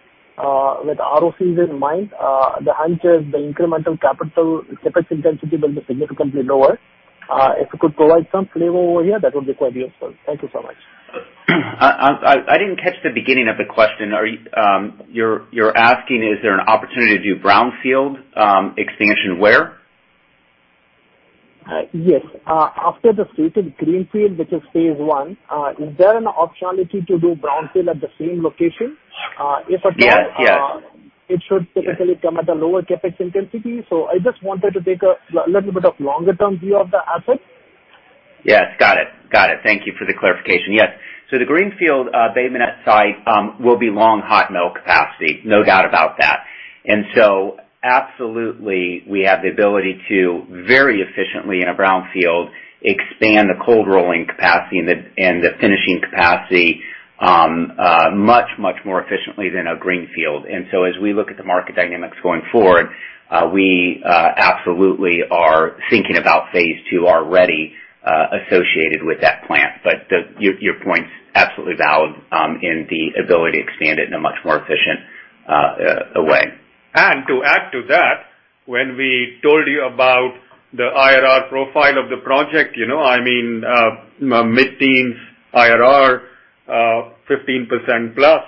S9: with ROCs in mind, the hunch is the incremental capital, CapEx intensity will be significantly lower. If you could provide some flavor over here, that would be quite useful. Thank you so much.
S3: I didn't catch the beginning of the question. You're asking is there an opportunity to do brownfield expansion where?
S9: Yes. After the stated greenfield, which is phase 1, is there an optionality to do brownfield at the same location?
S3: Yes. Yes.
S9: It should typically come at a lower CapEx intensity. I just wanted to take a little bit of longer-term view of the asset.
S3: Yes, got it. Got it. Thank you for the clarification. Yes. The greenfield Bay Minette site will be long hot mill capacity, no doubt about that. Absolutely, we have the ability to very efficiently in a brownfield, expand the cold rolling capacity and the finishing capacity much, much more efficiently than a greenfield. As we look at the market dynamics going forward, we absolutely are thinking about phase two already associated with that plant. Your point's absolutely valid in the ability to expand it in a much more efficient way.
S4: To add to that, when we told you about the IRR profile of the project, you know, I mean, mid-teens IRR, 15% plus,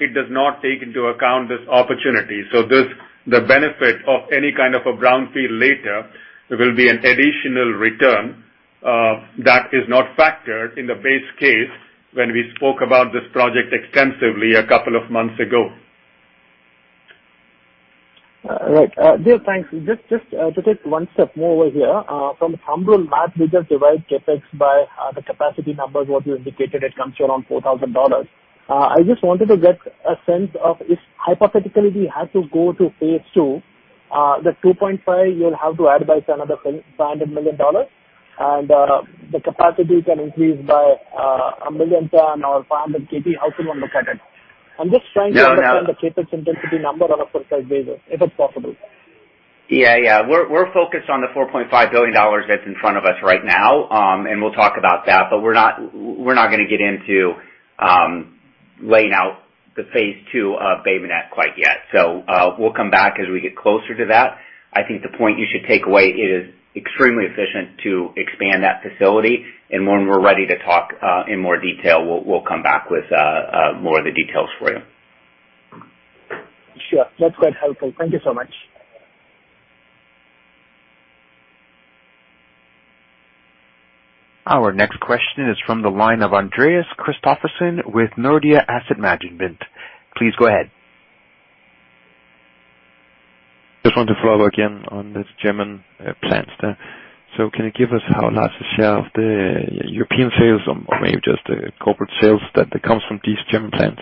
S4: it does not take into account this opportunity. This, the benefit of any kind of a brownfield later, will be an additional return that is not factored in the base case when we spoke about this project extensively a couple of months ago.
S9: Right. Dear, thanks. Just to take one step more over here, from humble math, we just divide CapEx by the capacity numbers, what you indicated, it comes to around $4,000. I just wanted to get a sense of if hypothetically we had to go to phase two, the 2.5, you'll have to add by another $500 million. The capacity can increase by 1 million tons or 500 kt. How should one look at it? I'm just trying to understand the CapEx intensity number on a precise basis, if it's possible.
S3: Yeah, yeah. We're focused on the $4.5 billion that's in front of us right now, and we'll talk about that, but we're not, we're not gonna get into laying out the phase two of Bay Minette quite yet. We'll come back as we get closer to that. I think the point you should take away, it is extremely efficient to expand that facility, and when we're ready to talk, in more detail, we'll come back with more of the details for you.
S9: Sure. That's quite helpful. Thank you so much.
S1: Our next question is from the line of Andreas Christoffersen with Nordea Asset Management. Please go ahead.
S10: Just want to follow again on this German plants there. Can you give us how large a share of the European sales or maybe just the corporate sales that comes from these German plants?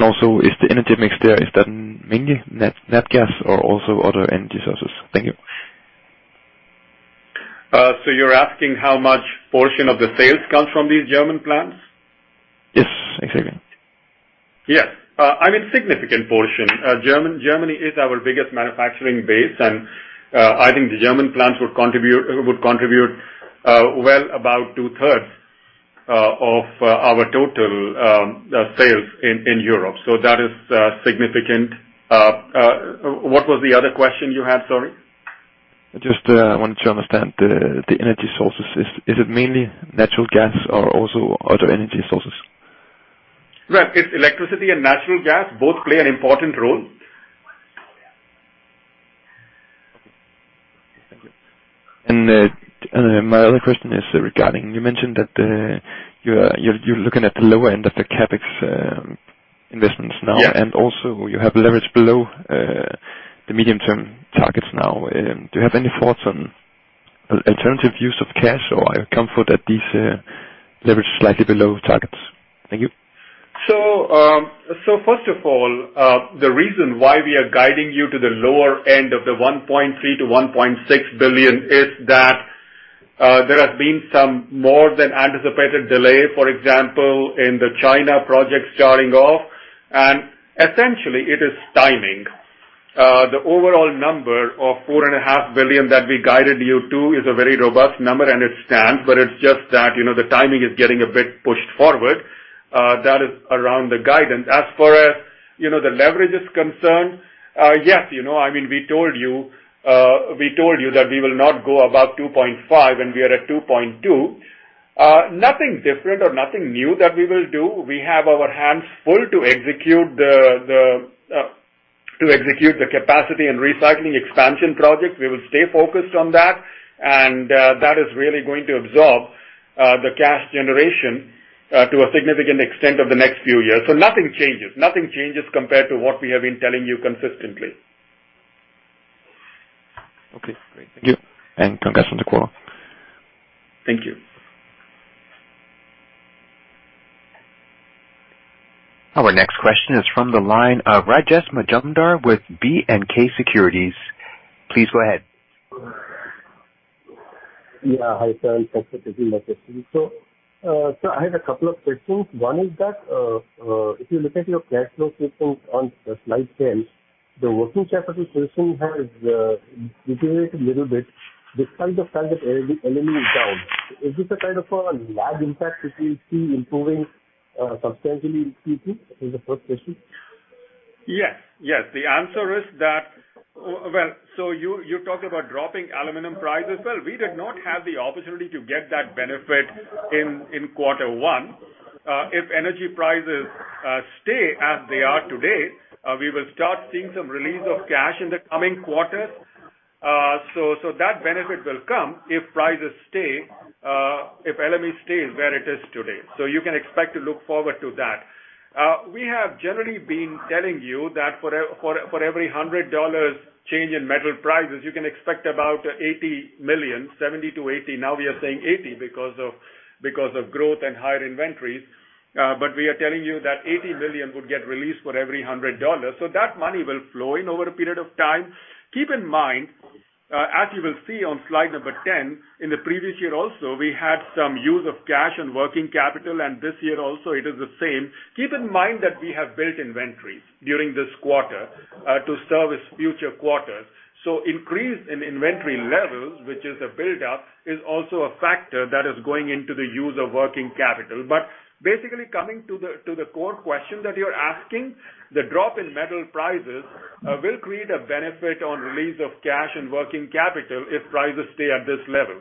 S10: Also, is the energy mix there, is that mainly nat gas or also other energy sources? Thank you.
S4: You're asking how much portion of the sales comes from these German plants?
S10: Yes, exactly.
S4: Yes. I mean, significant portion. Germany is our biggest manufacturing base, and I think the German plants would contribute well, about two thirds of our total sales in Europe. That is significant. What was the other question you had, sorry?
S10: Just wanted to understand the energy sources. Is it mainly natural gas or also other energy sources?
S4: Well, it's electricity and natural gas. Both play an important role.
S10: My other question is regarding, you mentioned that, you're looking at the lower end of the CapEx, investments now.
S4: Yeah.
S10: Also you have leverage below the medium-term targets now. Do you have any thoughts on alternative use of cash or are you comfort at these leverage slightly below targets? Thank you.
S4: First of all, the reason why we are guiding you to the lower end of the $1.3 billion-$1.6 billion is that there have been some more than anticipated delay, for example, in the China project starting off, and essentially it is timing. The overall number of $4.5 billion that we guided you to is a very robust number, and it stands, but it's just that, you know, the timing is getting a bit pushed forward. That is around the guidance. As far as, you know, the leverage is concerned, yes, you know, I mean, we told you, we told you that we will not go above 2.5, and we are at 2.2. Nothing different or nothing new that we will do. We have our hands full to execute the capacity and recycling expansion projects. We will stay focused on that, and that is really going to absorb the cash generation to a significant extent over the next few years. Nothing changes. Nothing changes compared to what we have been telling you consistently.
S10: Okay, great. Thank you. Congrats on the quarter.
S4: Thank you.
S1: Our next question is from the line of Rajesh Majumdar with B&K Securities. Please go ahead.
S11: Yeah. Hi, sir. Thank you for taking my question. I had a couple of questions. One is that, if you look at your cash flow position on slide 10, the working capital position has deteriorated a little bit despite the fact that LME is down. Is this a kind of a lag impact, which we see improving substantially in Q2? Is the first question.
S4: Yes. Yes, the answer is that you talked about dropping aluminum prices. We did not have the opportunity to get that benefit in quarter one. If energy prices stay as they are today, we will start seeing some release of cash in the coming quarters. That benefit will come if prices stay if LME stays where it is today. You can expect to look forward to that. We have generally been telling you that for every $100 change in metal prices, you can expect about $80 million, $70-$80. Now we are saying $80 because of growth and higher inventories. We are telling you that $80 million would get released for every $100, that money will flow in over a period of time. Keep in mind, as you will see on slide number 10, in the previous year also, we had some use of cash and working capital, and this year also it is the same. Keep in mind that we have built inventories during this quarter, to service future quarters. Increase in inventory levels, which is a build-up, is also a factor that is going into the use of working capital. Basically coming to the core question that you're asking, the drop in metal prices, will create a benefit on release of cash and working capital if prices stay at this level.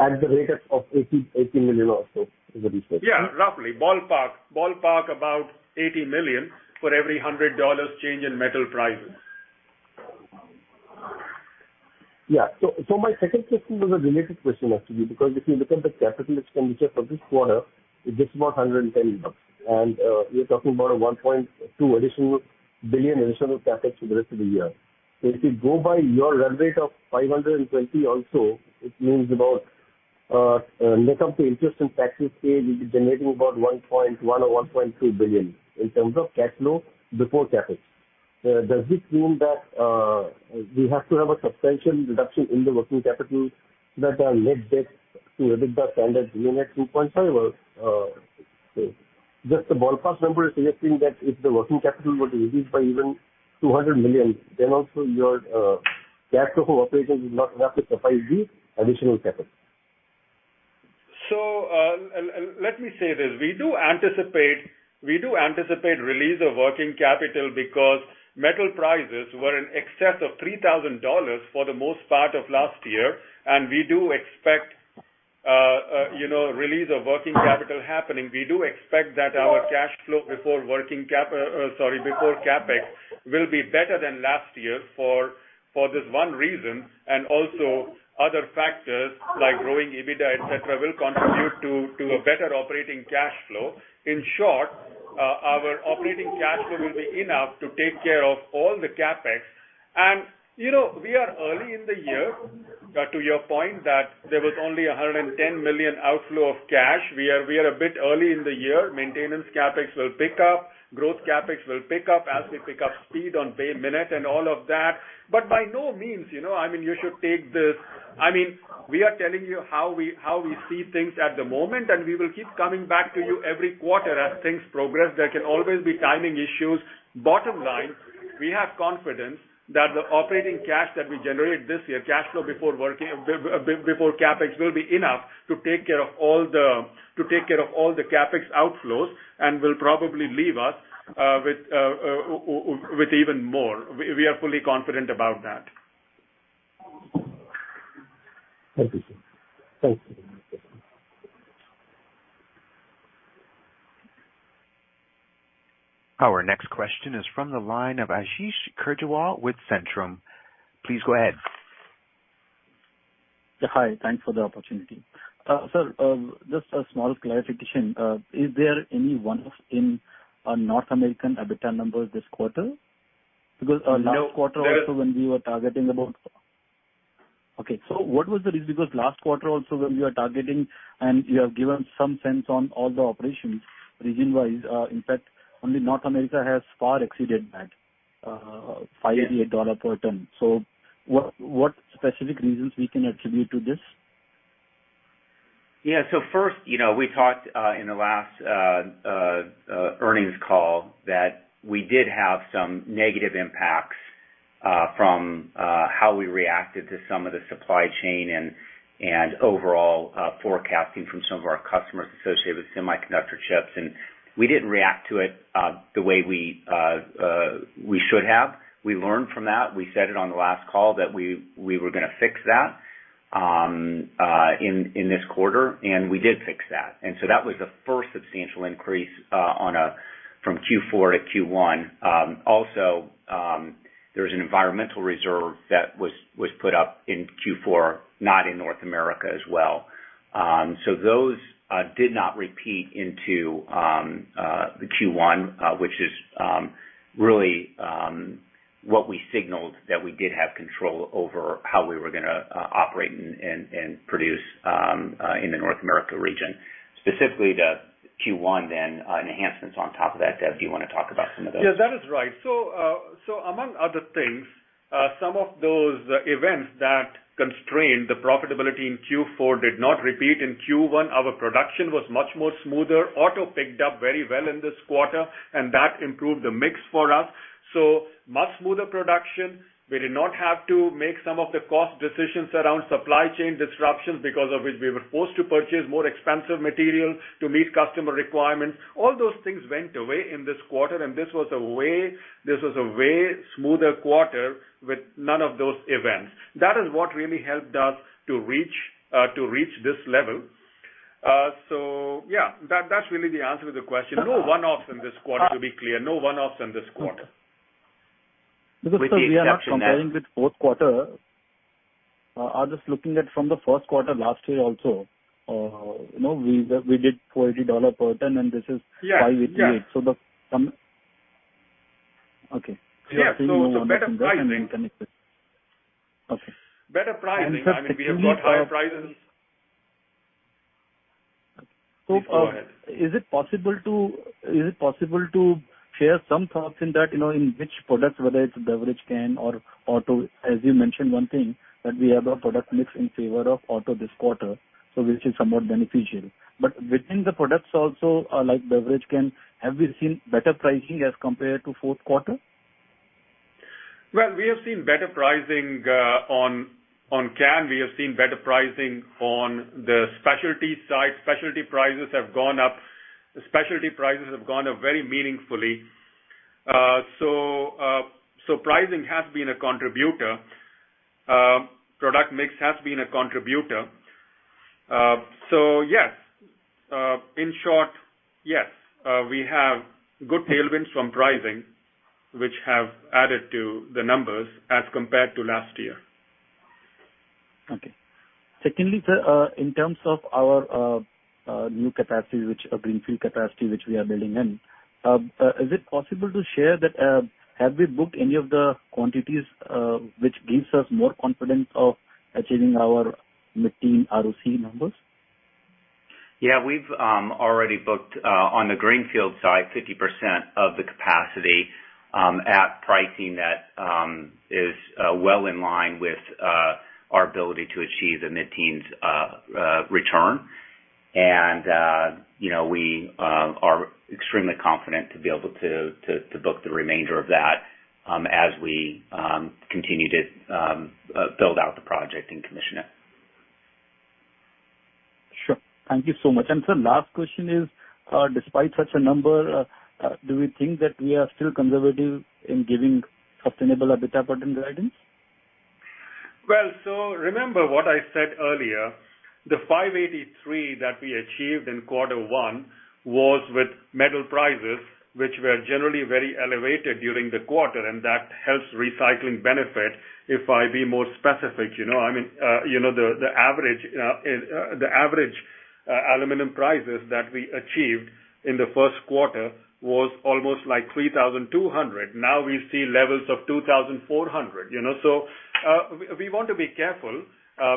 S11: At the rate of $80 million or so, is the research?
S4: Yeah, roughly. Ballpark. Ballpark about $80 million for every $100 change in metal prices.
S11: My second question was a related question, actually, because if you look at the CapEx for this quarter, it's just about $110, and we are talking about a $1.2 billion additional CapEx for the rest of the year. If you go by your run rate of 520 also, it means about, net of the interest and taxes paid, we'll be generating about $1.1 billion or $1.2 billion in terms of cash flow before CapEx. Does this mean that we have to have a substantial reduction in the working capital that our net debt to EBITDA standard remaining at 2.5? Just a ballpark number is suggesting that if the working capital were to reduce by even $200 million, then also your cash flow operation is not enough to suffice the additional CapEx.
S4: Let me say this, we do anticipate release of working capital because metal prices were in excess of $3,000 for the most part of last year. We do expect, you know, release of working capital happening. We do expect that our cash flow before working cap, sorry, before CapEx, will be better than last year for this one reason, and also other factors like growing EBITDA, et cetera, will contribute to a better operating cash flow. In short, our operating cash flow will be enough to take care of all the CapEx. You know, we are early in the year, but to your point, that there was only a $110 million outflow of cash. We are a bit early in the year. Maintenance CapEx will pick up, growth CapEx will pick up as we pick up speed on Bay Minette and all of that. By no means, you know, I mean, you should take this, I mean, we are telling you how we see things at the moment, and we will keep coming back to you every quarter as things progress. There can always be timing issues. Bottom line, we have confidence that the operating cash that we generate this year, cash flow before working before CapEx, will be enough to take care of all the CapEx outflows, and will probably leave us with even more. We are fully confident about that.
S11: Thank you, sir. Thank you.
S1: Our next question is from the line of Ashish Kejriwal with Centrum. Please go ahead.
S12: Yeah, hi. Thanks for the opportunity. Sir, just a small clarification. Is there any one of in North American EBITDA numbers this quarter? Because our last quarter also when we were targeting about. Okay, what was the reason? Because last quarter also when we were targeting and you have given some sense on all the operations, region-wise, in fact, only North America has far exceeded that, $5-$8 per ton. What specific reasons we can attribute to this?
S3: Yeah. First, you know, we talked in the last earnings call that we did have some negative impacts from how we reacted to some of the supply chain and overall forecasting from some of our customers associated with semiconductor chips. We didn't react to it the way we should have. We learned from that. We said it on the last call that we were gonna fix that in this quarter, and we did fix that. That was the first substantial increase on a from Q4 to Q1. Also, there was an environmental reserve that was put up in Q4, not in North America as well. Those did not repeat into the Q1, which is really what we signaled that we did have control over how we were gonna operate and, and produce in the North America region. Specifically, the Q1, enhancements on top of that. Dev, do you want to talk about some of those?
S4: Yeah, that is right. Among other things, some of those events that constrained the profitability in Q4 did not repeat in Q1. Our production was much more smoother. auto picked up very well in this quarter, and that improved the mix for us. Much smoother production. We did not have to make some of the cost decisions around supply chain disruptions because of which we were forced to purchase more expensive materials to meet customer requirements. All those things went away in this quarter. This was a way smoother quarter with none of those events. That is what really helped us to reach this level. Yeah, that's really the answer to the question. No one-offs in this quarter, to be clear. No one-offs in this quarter.
S12: Because we are not comparing with fourth quarter. I'm just looking at from the first quarter last year also. you know, we did $40 per ton.
S4: Yeah.
S12: 588. Okay.
S4: Yeah. Better pricing.
S12: Okay.
S4: Better pricing. I mean, we have got higher prices.
S12: So-
S4: Please, go ahead.
S12: Is it possible to share some thoughts in that, you know, in which products, whether it's beverage can or auto? As you mentioned one thing, that we have a product mix in favor of auto this quarter, so which is somewhat beneficial. Within the products also, like beverage can, have we seen better pricing as compared to fourth quarter?
S4: Well, we have seen better pricing on can. We have seen better pricing on the specialty side. Specialty prices have gone up very meaningfully. Pricing has been a contributor. Product mix has been a contributor. Yes, in short, yes, we have good tailwinds from pricing, which have added to the numbers as compared to last year.
S12: Okay. Secondly, sir, in terms of our new capacity, which greenfield capacity, which we are building in, is it possible to share that, have we booked any of the quantities, which gives us more confidence of achieving our mid-teen ROC numbers?
S3: Yeah, we've already booked on the greenfield side, 50% of the capacity, at pricing that is well in line with our ability to achieve the mid-teens return. You know, we are extremely confident to be able to book the remainder of that, as we continue to build out the project and commission it.
S12: Sure. Thank you so much. Sir, last question is, despite such a number, do we think that we are still conservative in giving sustainable EBITDA guidance?
S4: Well, remember what I said earlier, the $583 that we achieved in Q1 was with metal prices, which were generally very elevated during the quarter, and that helps recycling benefit. If I be more specific, you know, I mean, you know, the average aluminum prices that we achieved in the first quarter was almost like $3,200. Now we see levels of $2,400, you know. We want to be careful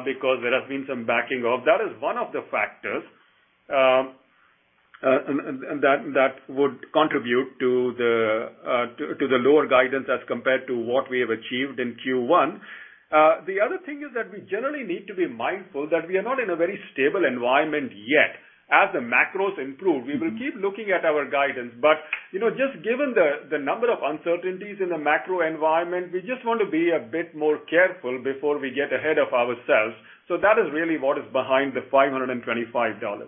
S4: because there has been some backing off. That is one of the factors, and that would contribute to the lower guidance as compared to what we have achieved in Q1. The other thing is that we generally need to be mindful that we are not in a very stable environment yet. As the macros improve, we will keep looking at our guidance, you know, just given the number of uncertainties in the macro environment, we just want to be a bit more careful before we get ahead of ourselves. That is really what is behind the $525.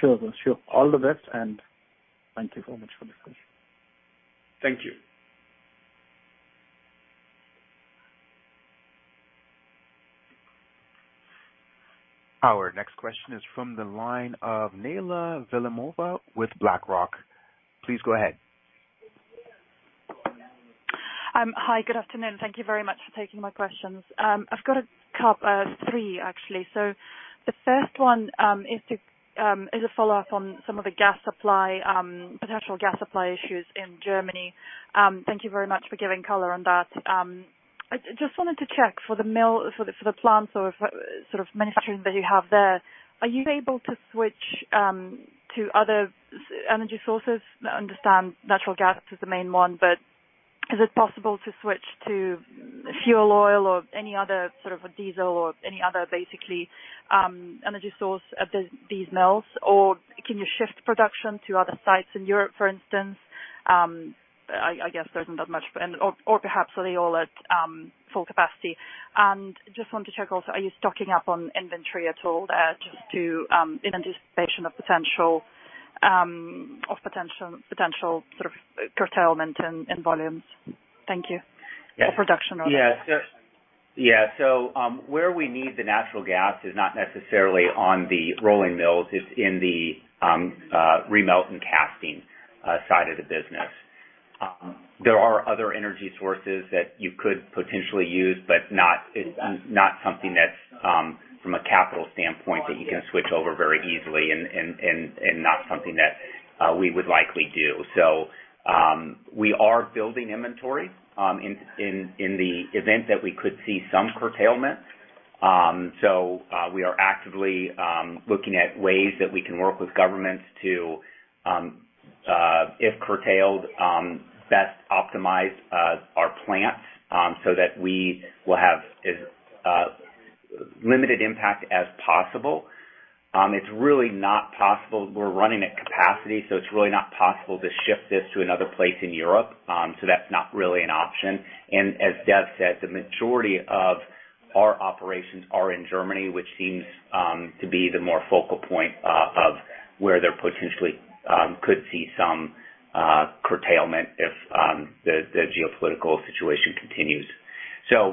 S12: Sure. All the best. Thank you so much for this question.
S4: Thank you.
S1: Our next question is from the line of Neyla Velimoukhametova with BlackRock. Please go ahead.
S13: Hi, good afternoon. Thank you very much for taking my questions. I've got a couple, three, actually. The first one is a follow-up on some of the gas supply, potential gas supply issues in Germany. Thank you very much for giving color on that. I just wanted to check for the mill, for the plants or sort of manufacturing that you have there, are you able to switch to other energy sources? I understand natural gas is the main one, but is it possible to switch to fuel oil or any other sort of a diesel or any other, basically, energy source at these mills? Can you shift production to other sites in Europe, for instance? I guess there's not much, and/or perhaps are they all at full capacity? Just want to check also, are you stocking up on inventory at all, just to, in anticipation of potential sort of curtailment and volumes? Thank you. Or production rather.
S3: Yes. Yeah, where we need the natural gas is not necessarily on the rolling mills, it's in the remelt and casting side of the business. There are other energy sources that you could potentially use, but it's not something that's from a capital standpoint, that you can switch over very easily and not something that we would likely do. We are building inventory in the event that we could see some curtailment. We are actively looking at ways that we can work with governments to, if curtailed, best optimize our plants so that we will have as limited impact as possible. It's really not possible. We're running at capacity, so it's really not possible to shift this to another place in Europe. That's not really an option. As Dev said, the majority of our operations are in Germany, which seems to be the more focal point of where there potentially could see some curtailment if the geopolitical situation continues.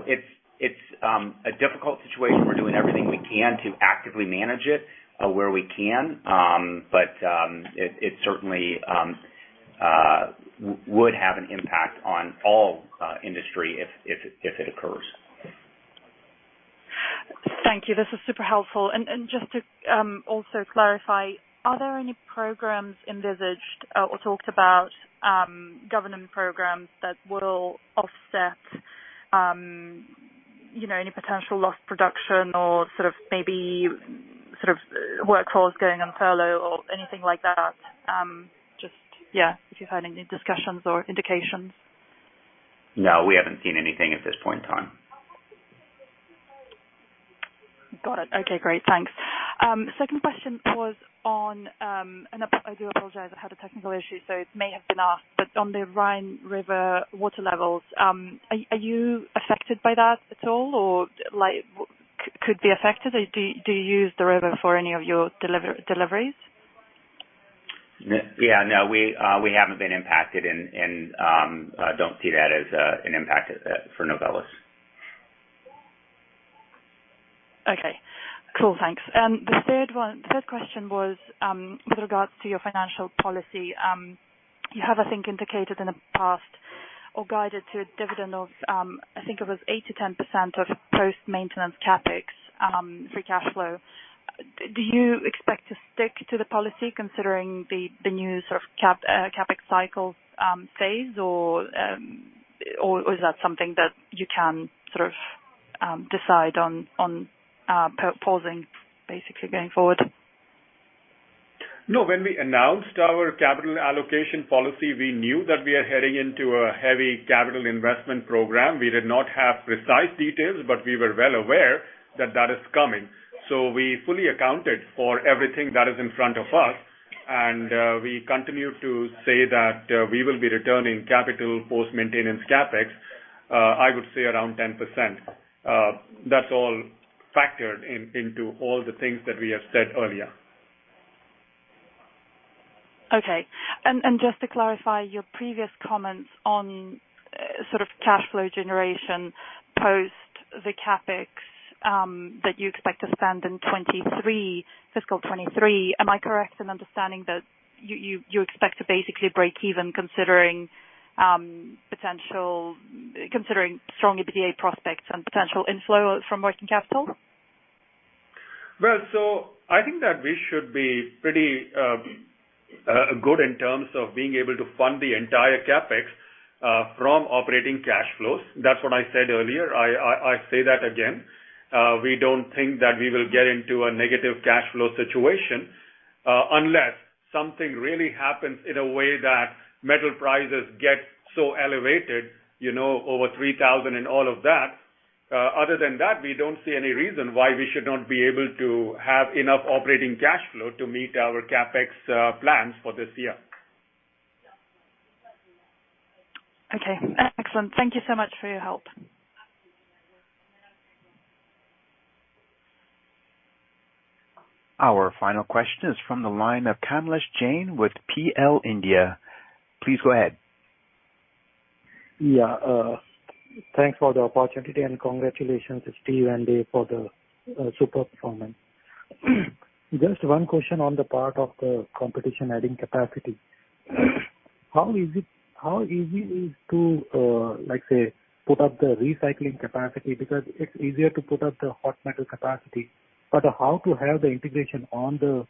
S3: It's, it's a difficult situation. We're doing everything we can to actively manage it where we can. It, it certainly would have an impact on all industry if it occurs.
S13: Thank you. This is super helpful. Just to also clarify, are there any programs envisaged or talked about, government programs that will offset, you know, any potential lost production or maybe sort of workforce going on furlough or anything like that? Just, if you've heard any discussions or indications.
S3: No, we haven't seen anything at this point in time.
S13: Got it. Okay, great. Thanks. Second question was on, I do apologize, I had a technical issue, so it may have been asked, but on the Rhine River water levels, are you affected by that at all, or like, could be affected? Do you use the river for any of your deliveries?
S3: Yeah, no, we haven't been impacted and I don't see that as an impact for Novelis.
S13: Okay, cool. Thanks. The third question was with regards to your financial policy. You have, I think, indicated in the past or guided to a dividend of, I think it was 80%-10% of post-maintenance CapEx, free cash flow. Do you expect to stick to the policy considering the new sort of CapEx cycle, phase, or is that something that you can sort of decide on pausing, basically, going forward?
S4: No, when we announced our capital allocation policy, we knew that we are heading into a heavy capital investment program. We did not have precise details, but we were well aware that that is coming. We fully accounted for everything that is in front of us, we continue to say that we will be returning capital post-maintenance CapEx, I would say around 10%. That's all factored in, into all the things that we have said earlier.
S13: Just to clarify your previous comments on sort of cash flow generation, post the CapEx that you expect to spend in 2023, fiscal 2023, am I correct in understanding that you expect to basically break even considering strong EBITDA prospects and potential inflow from working capital?
S4: I think that we should be pretty good in terms of being able to fund the entire CapEx from operating cash flows. That's what I said earlier. I say that again. We don't think that we will get into a negative cash flow situation unless something really happens in a way that metal prices get so elevated, you know, over $3,000 and all of that. Other than that, we don't see any reason why we should not be able to have enough operating cash flow to meet our CapEx plans for this year.
S13: Okay, excellent. Thank you so much for your help.
S1: Our final question is from the line of Kamlesh Jain with PL India. Please go ahead.
S14: Thanks for the opportunity, and congratulations to Steve Fisher and Dev Ahuja for the super performance. Just one question on the part of the competition adding capacity. How easy is to put up the recycling capacity? Because it's easier to put up the hot metal capacity, but how to have the integration on the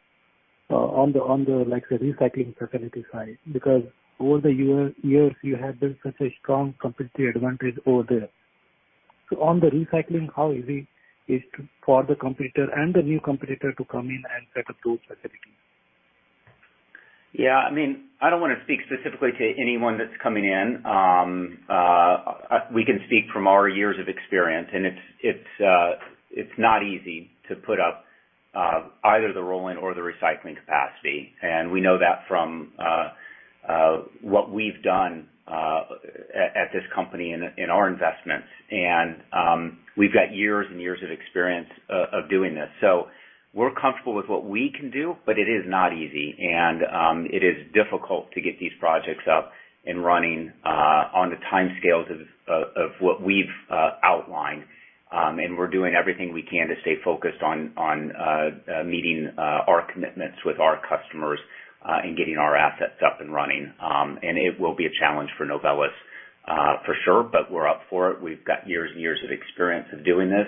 S14: recycling facility side, because over the years, you have built such a strong competitive advantage over there. On the recycling, how easy is to, for the competitor and the new competitor to come in and set up those facilities?
S3: Yeah, I mean, I don't want to speak specifically to anyone that's coming in. We can speak from our years of experience, and it's not easy to put up either the rolling or the recycling capacity. We know that from what we've done at this company in our investments. We've got years and years of experience of doing this. So we're comfortable with what we can do, but it is not easy. It is difficult to get these projects up and running on the timescales of what we've outlined. We're doing everything we can to stay focused on meeting our commitments with our customers and getting our assets up and running. It will be a challenge for Novelis, for sure, but we're up for it. We've got years and years of experience of doing this,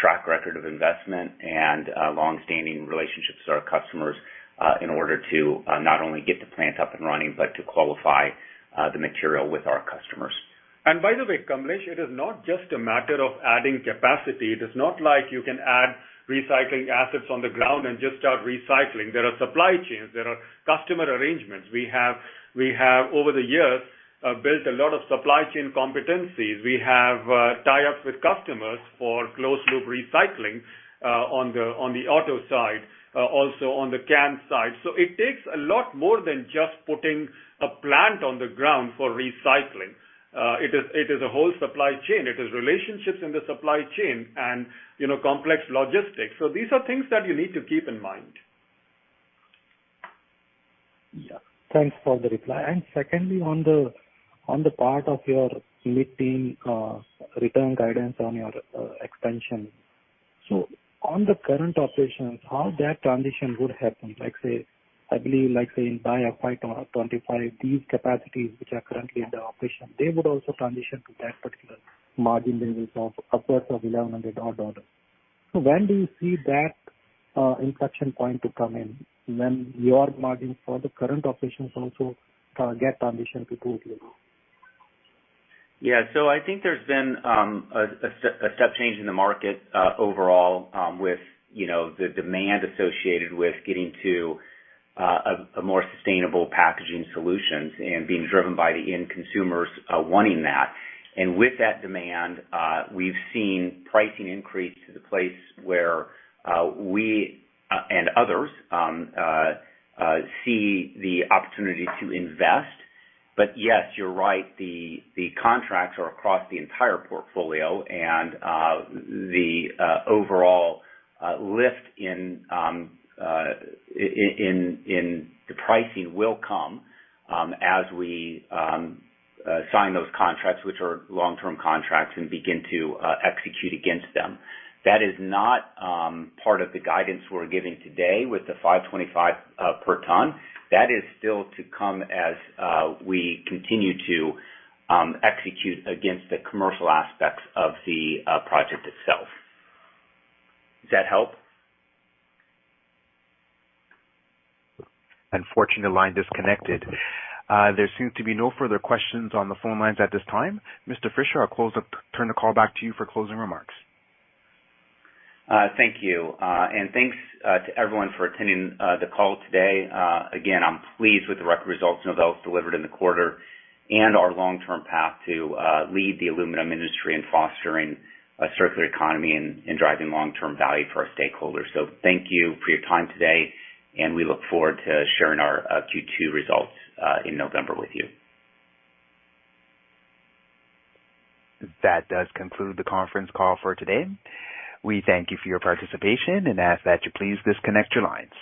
S3: track record of investment, and long-standing relationships with our customers, in order to not only get the plant up and running, but to qualify the material with our customers.
S4: By the way, Kamlesh, it is not just a matter of adding capacity. It is not like you can add recycling assets on the ground and just start recycling. There are supply chains. There are customer arrangements. We have, over the years, built a lot of supply chain competencies. We have tie-ups with customers for closed-loop recycling on the auto side, also on the can side. It takes a lot more than just putting a plant on the ground for recycling. It is a whole supply chain. It is relationships in the supply chain and, you know, complex logistics. These are things that you need to keep in mind.
S14: Yeah. Thanks for the reply. Secondly, on the part of your mid-term return guidance on your expansion. On the current operations, how that transition would happen, I believe, by 2025, these capacities, which are currently in the operation, they would also transition to that particular margin levels of upwards of $1,100. When do you see that inflection point to come in, when your margins for the current operations also get transitioned to those levels?
S3: I think there's been a step change in the market overall, with, you know, the demand associated with getting to a more sustainable packaging solutions and being driven by the end consumers wanting that. With that demand, we've seen pricing increase to the place where we and others see the opportunity to invest. Yes, you're right, the contracts are across the entire portfolio, and the overall lift in the pricing will come as we sign those contracts, which are long-term contracts, and begin to execute against them. That is not part of the guidance we're giving today with the $525 per ton. That is still to come as we continue to execute against the commercial aspects of the project itself. Does that help?
S1: Unfortunately, the line disconnected. There seems to be no further questions on the phone lines at this time. Mr. Fisher, I'll turn the call back to you for closing remarks.
S3: Thank you. Thanks, to everyone for attending the call today. Again, I'm pleased with the results Novelis delivered in the quarter and our long-term path to lead the aluminum industry in fostering a circular economy and driving long-term value for our stakeholders. Thank you for your time today, and we look forward to sharing our Q2 results in November with you.
S1: That does conclude the conference call for today. We thank you for your participation and ask that you please disconnect your lines.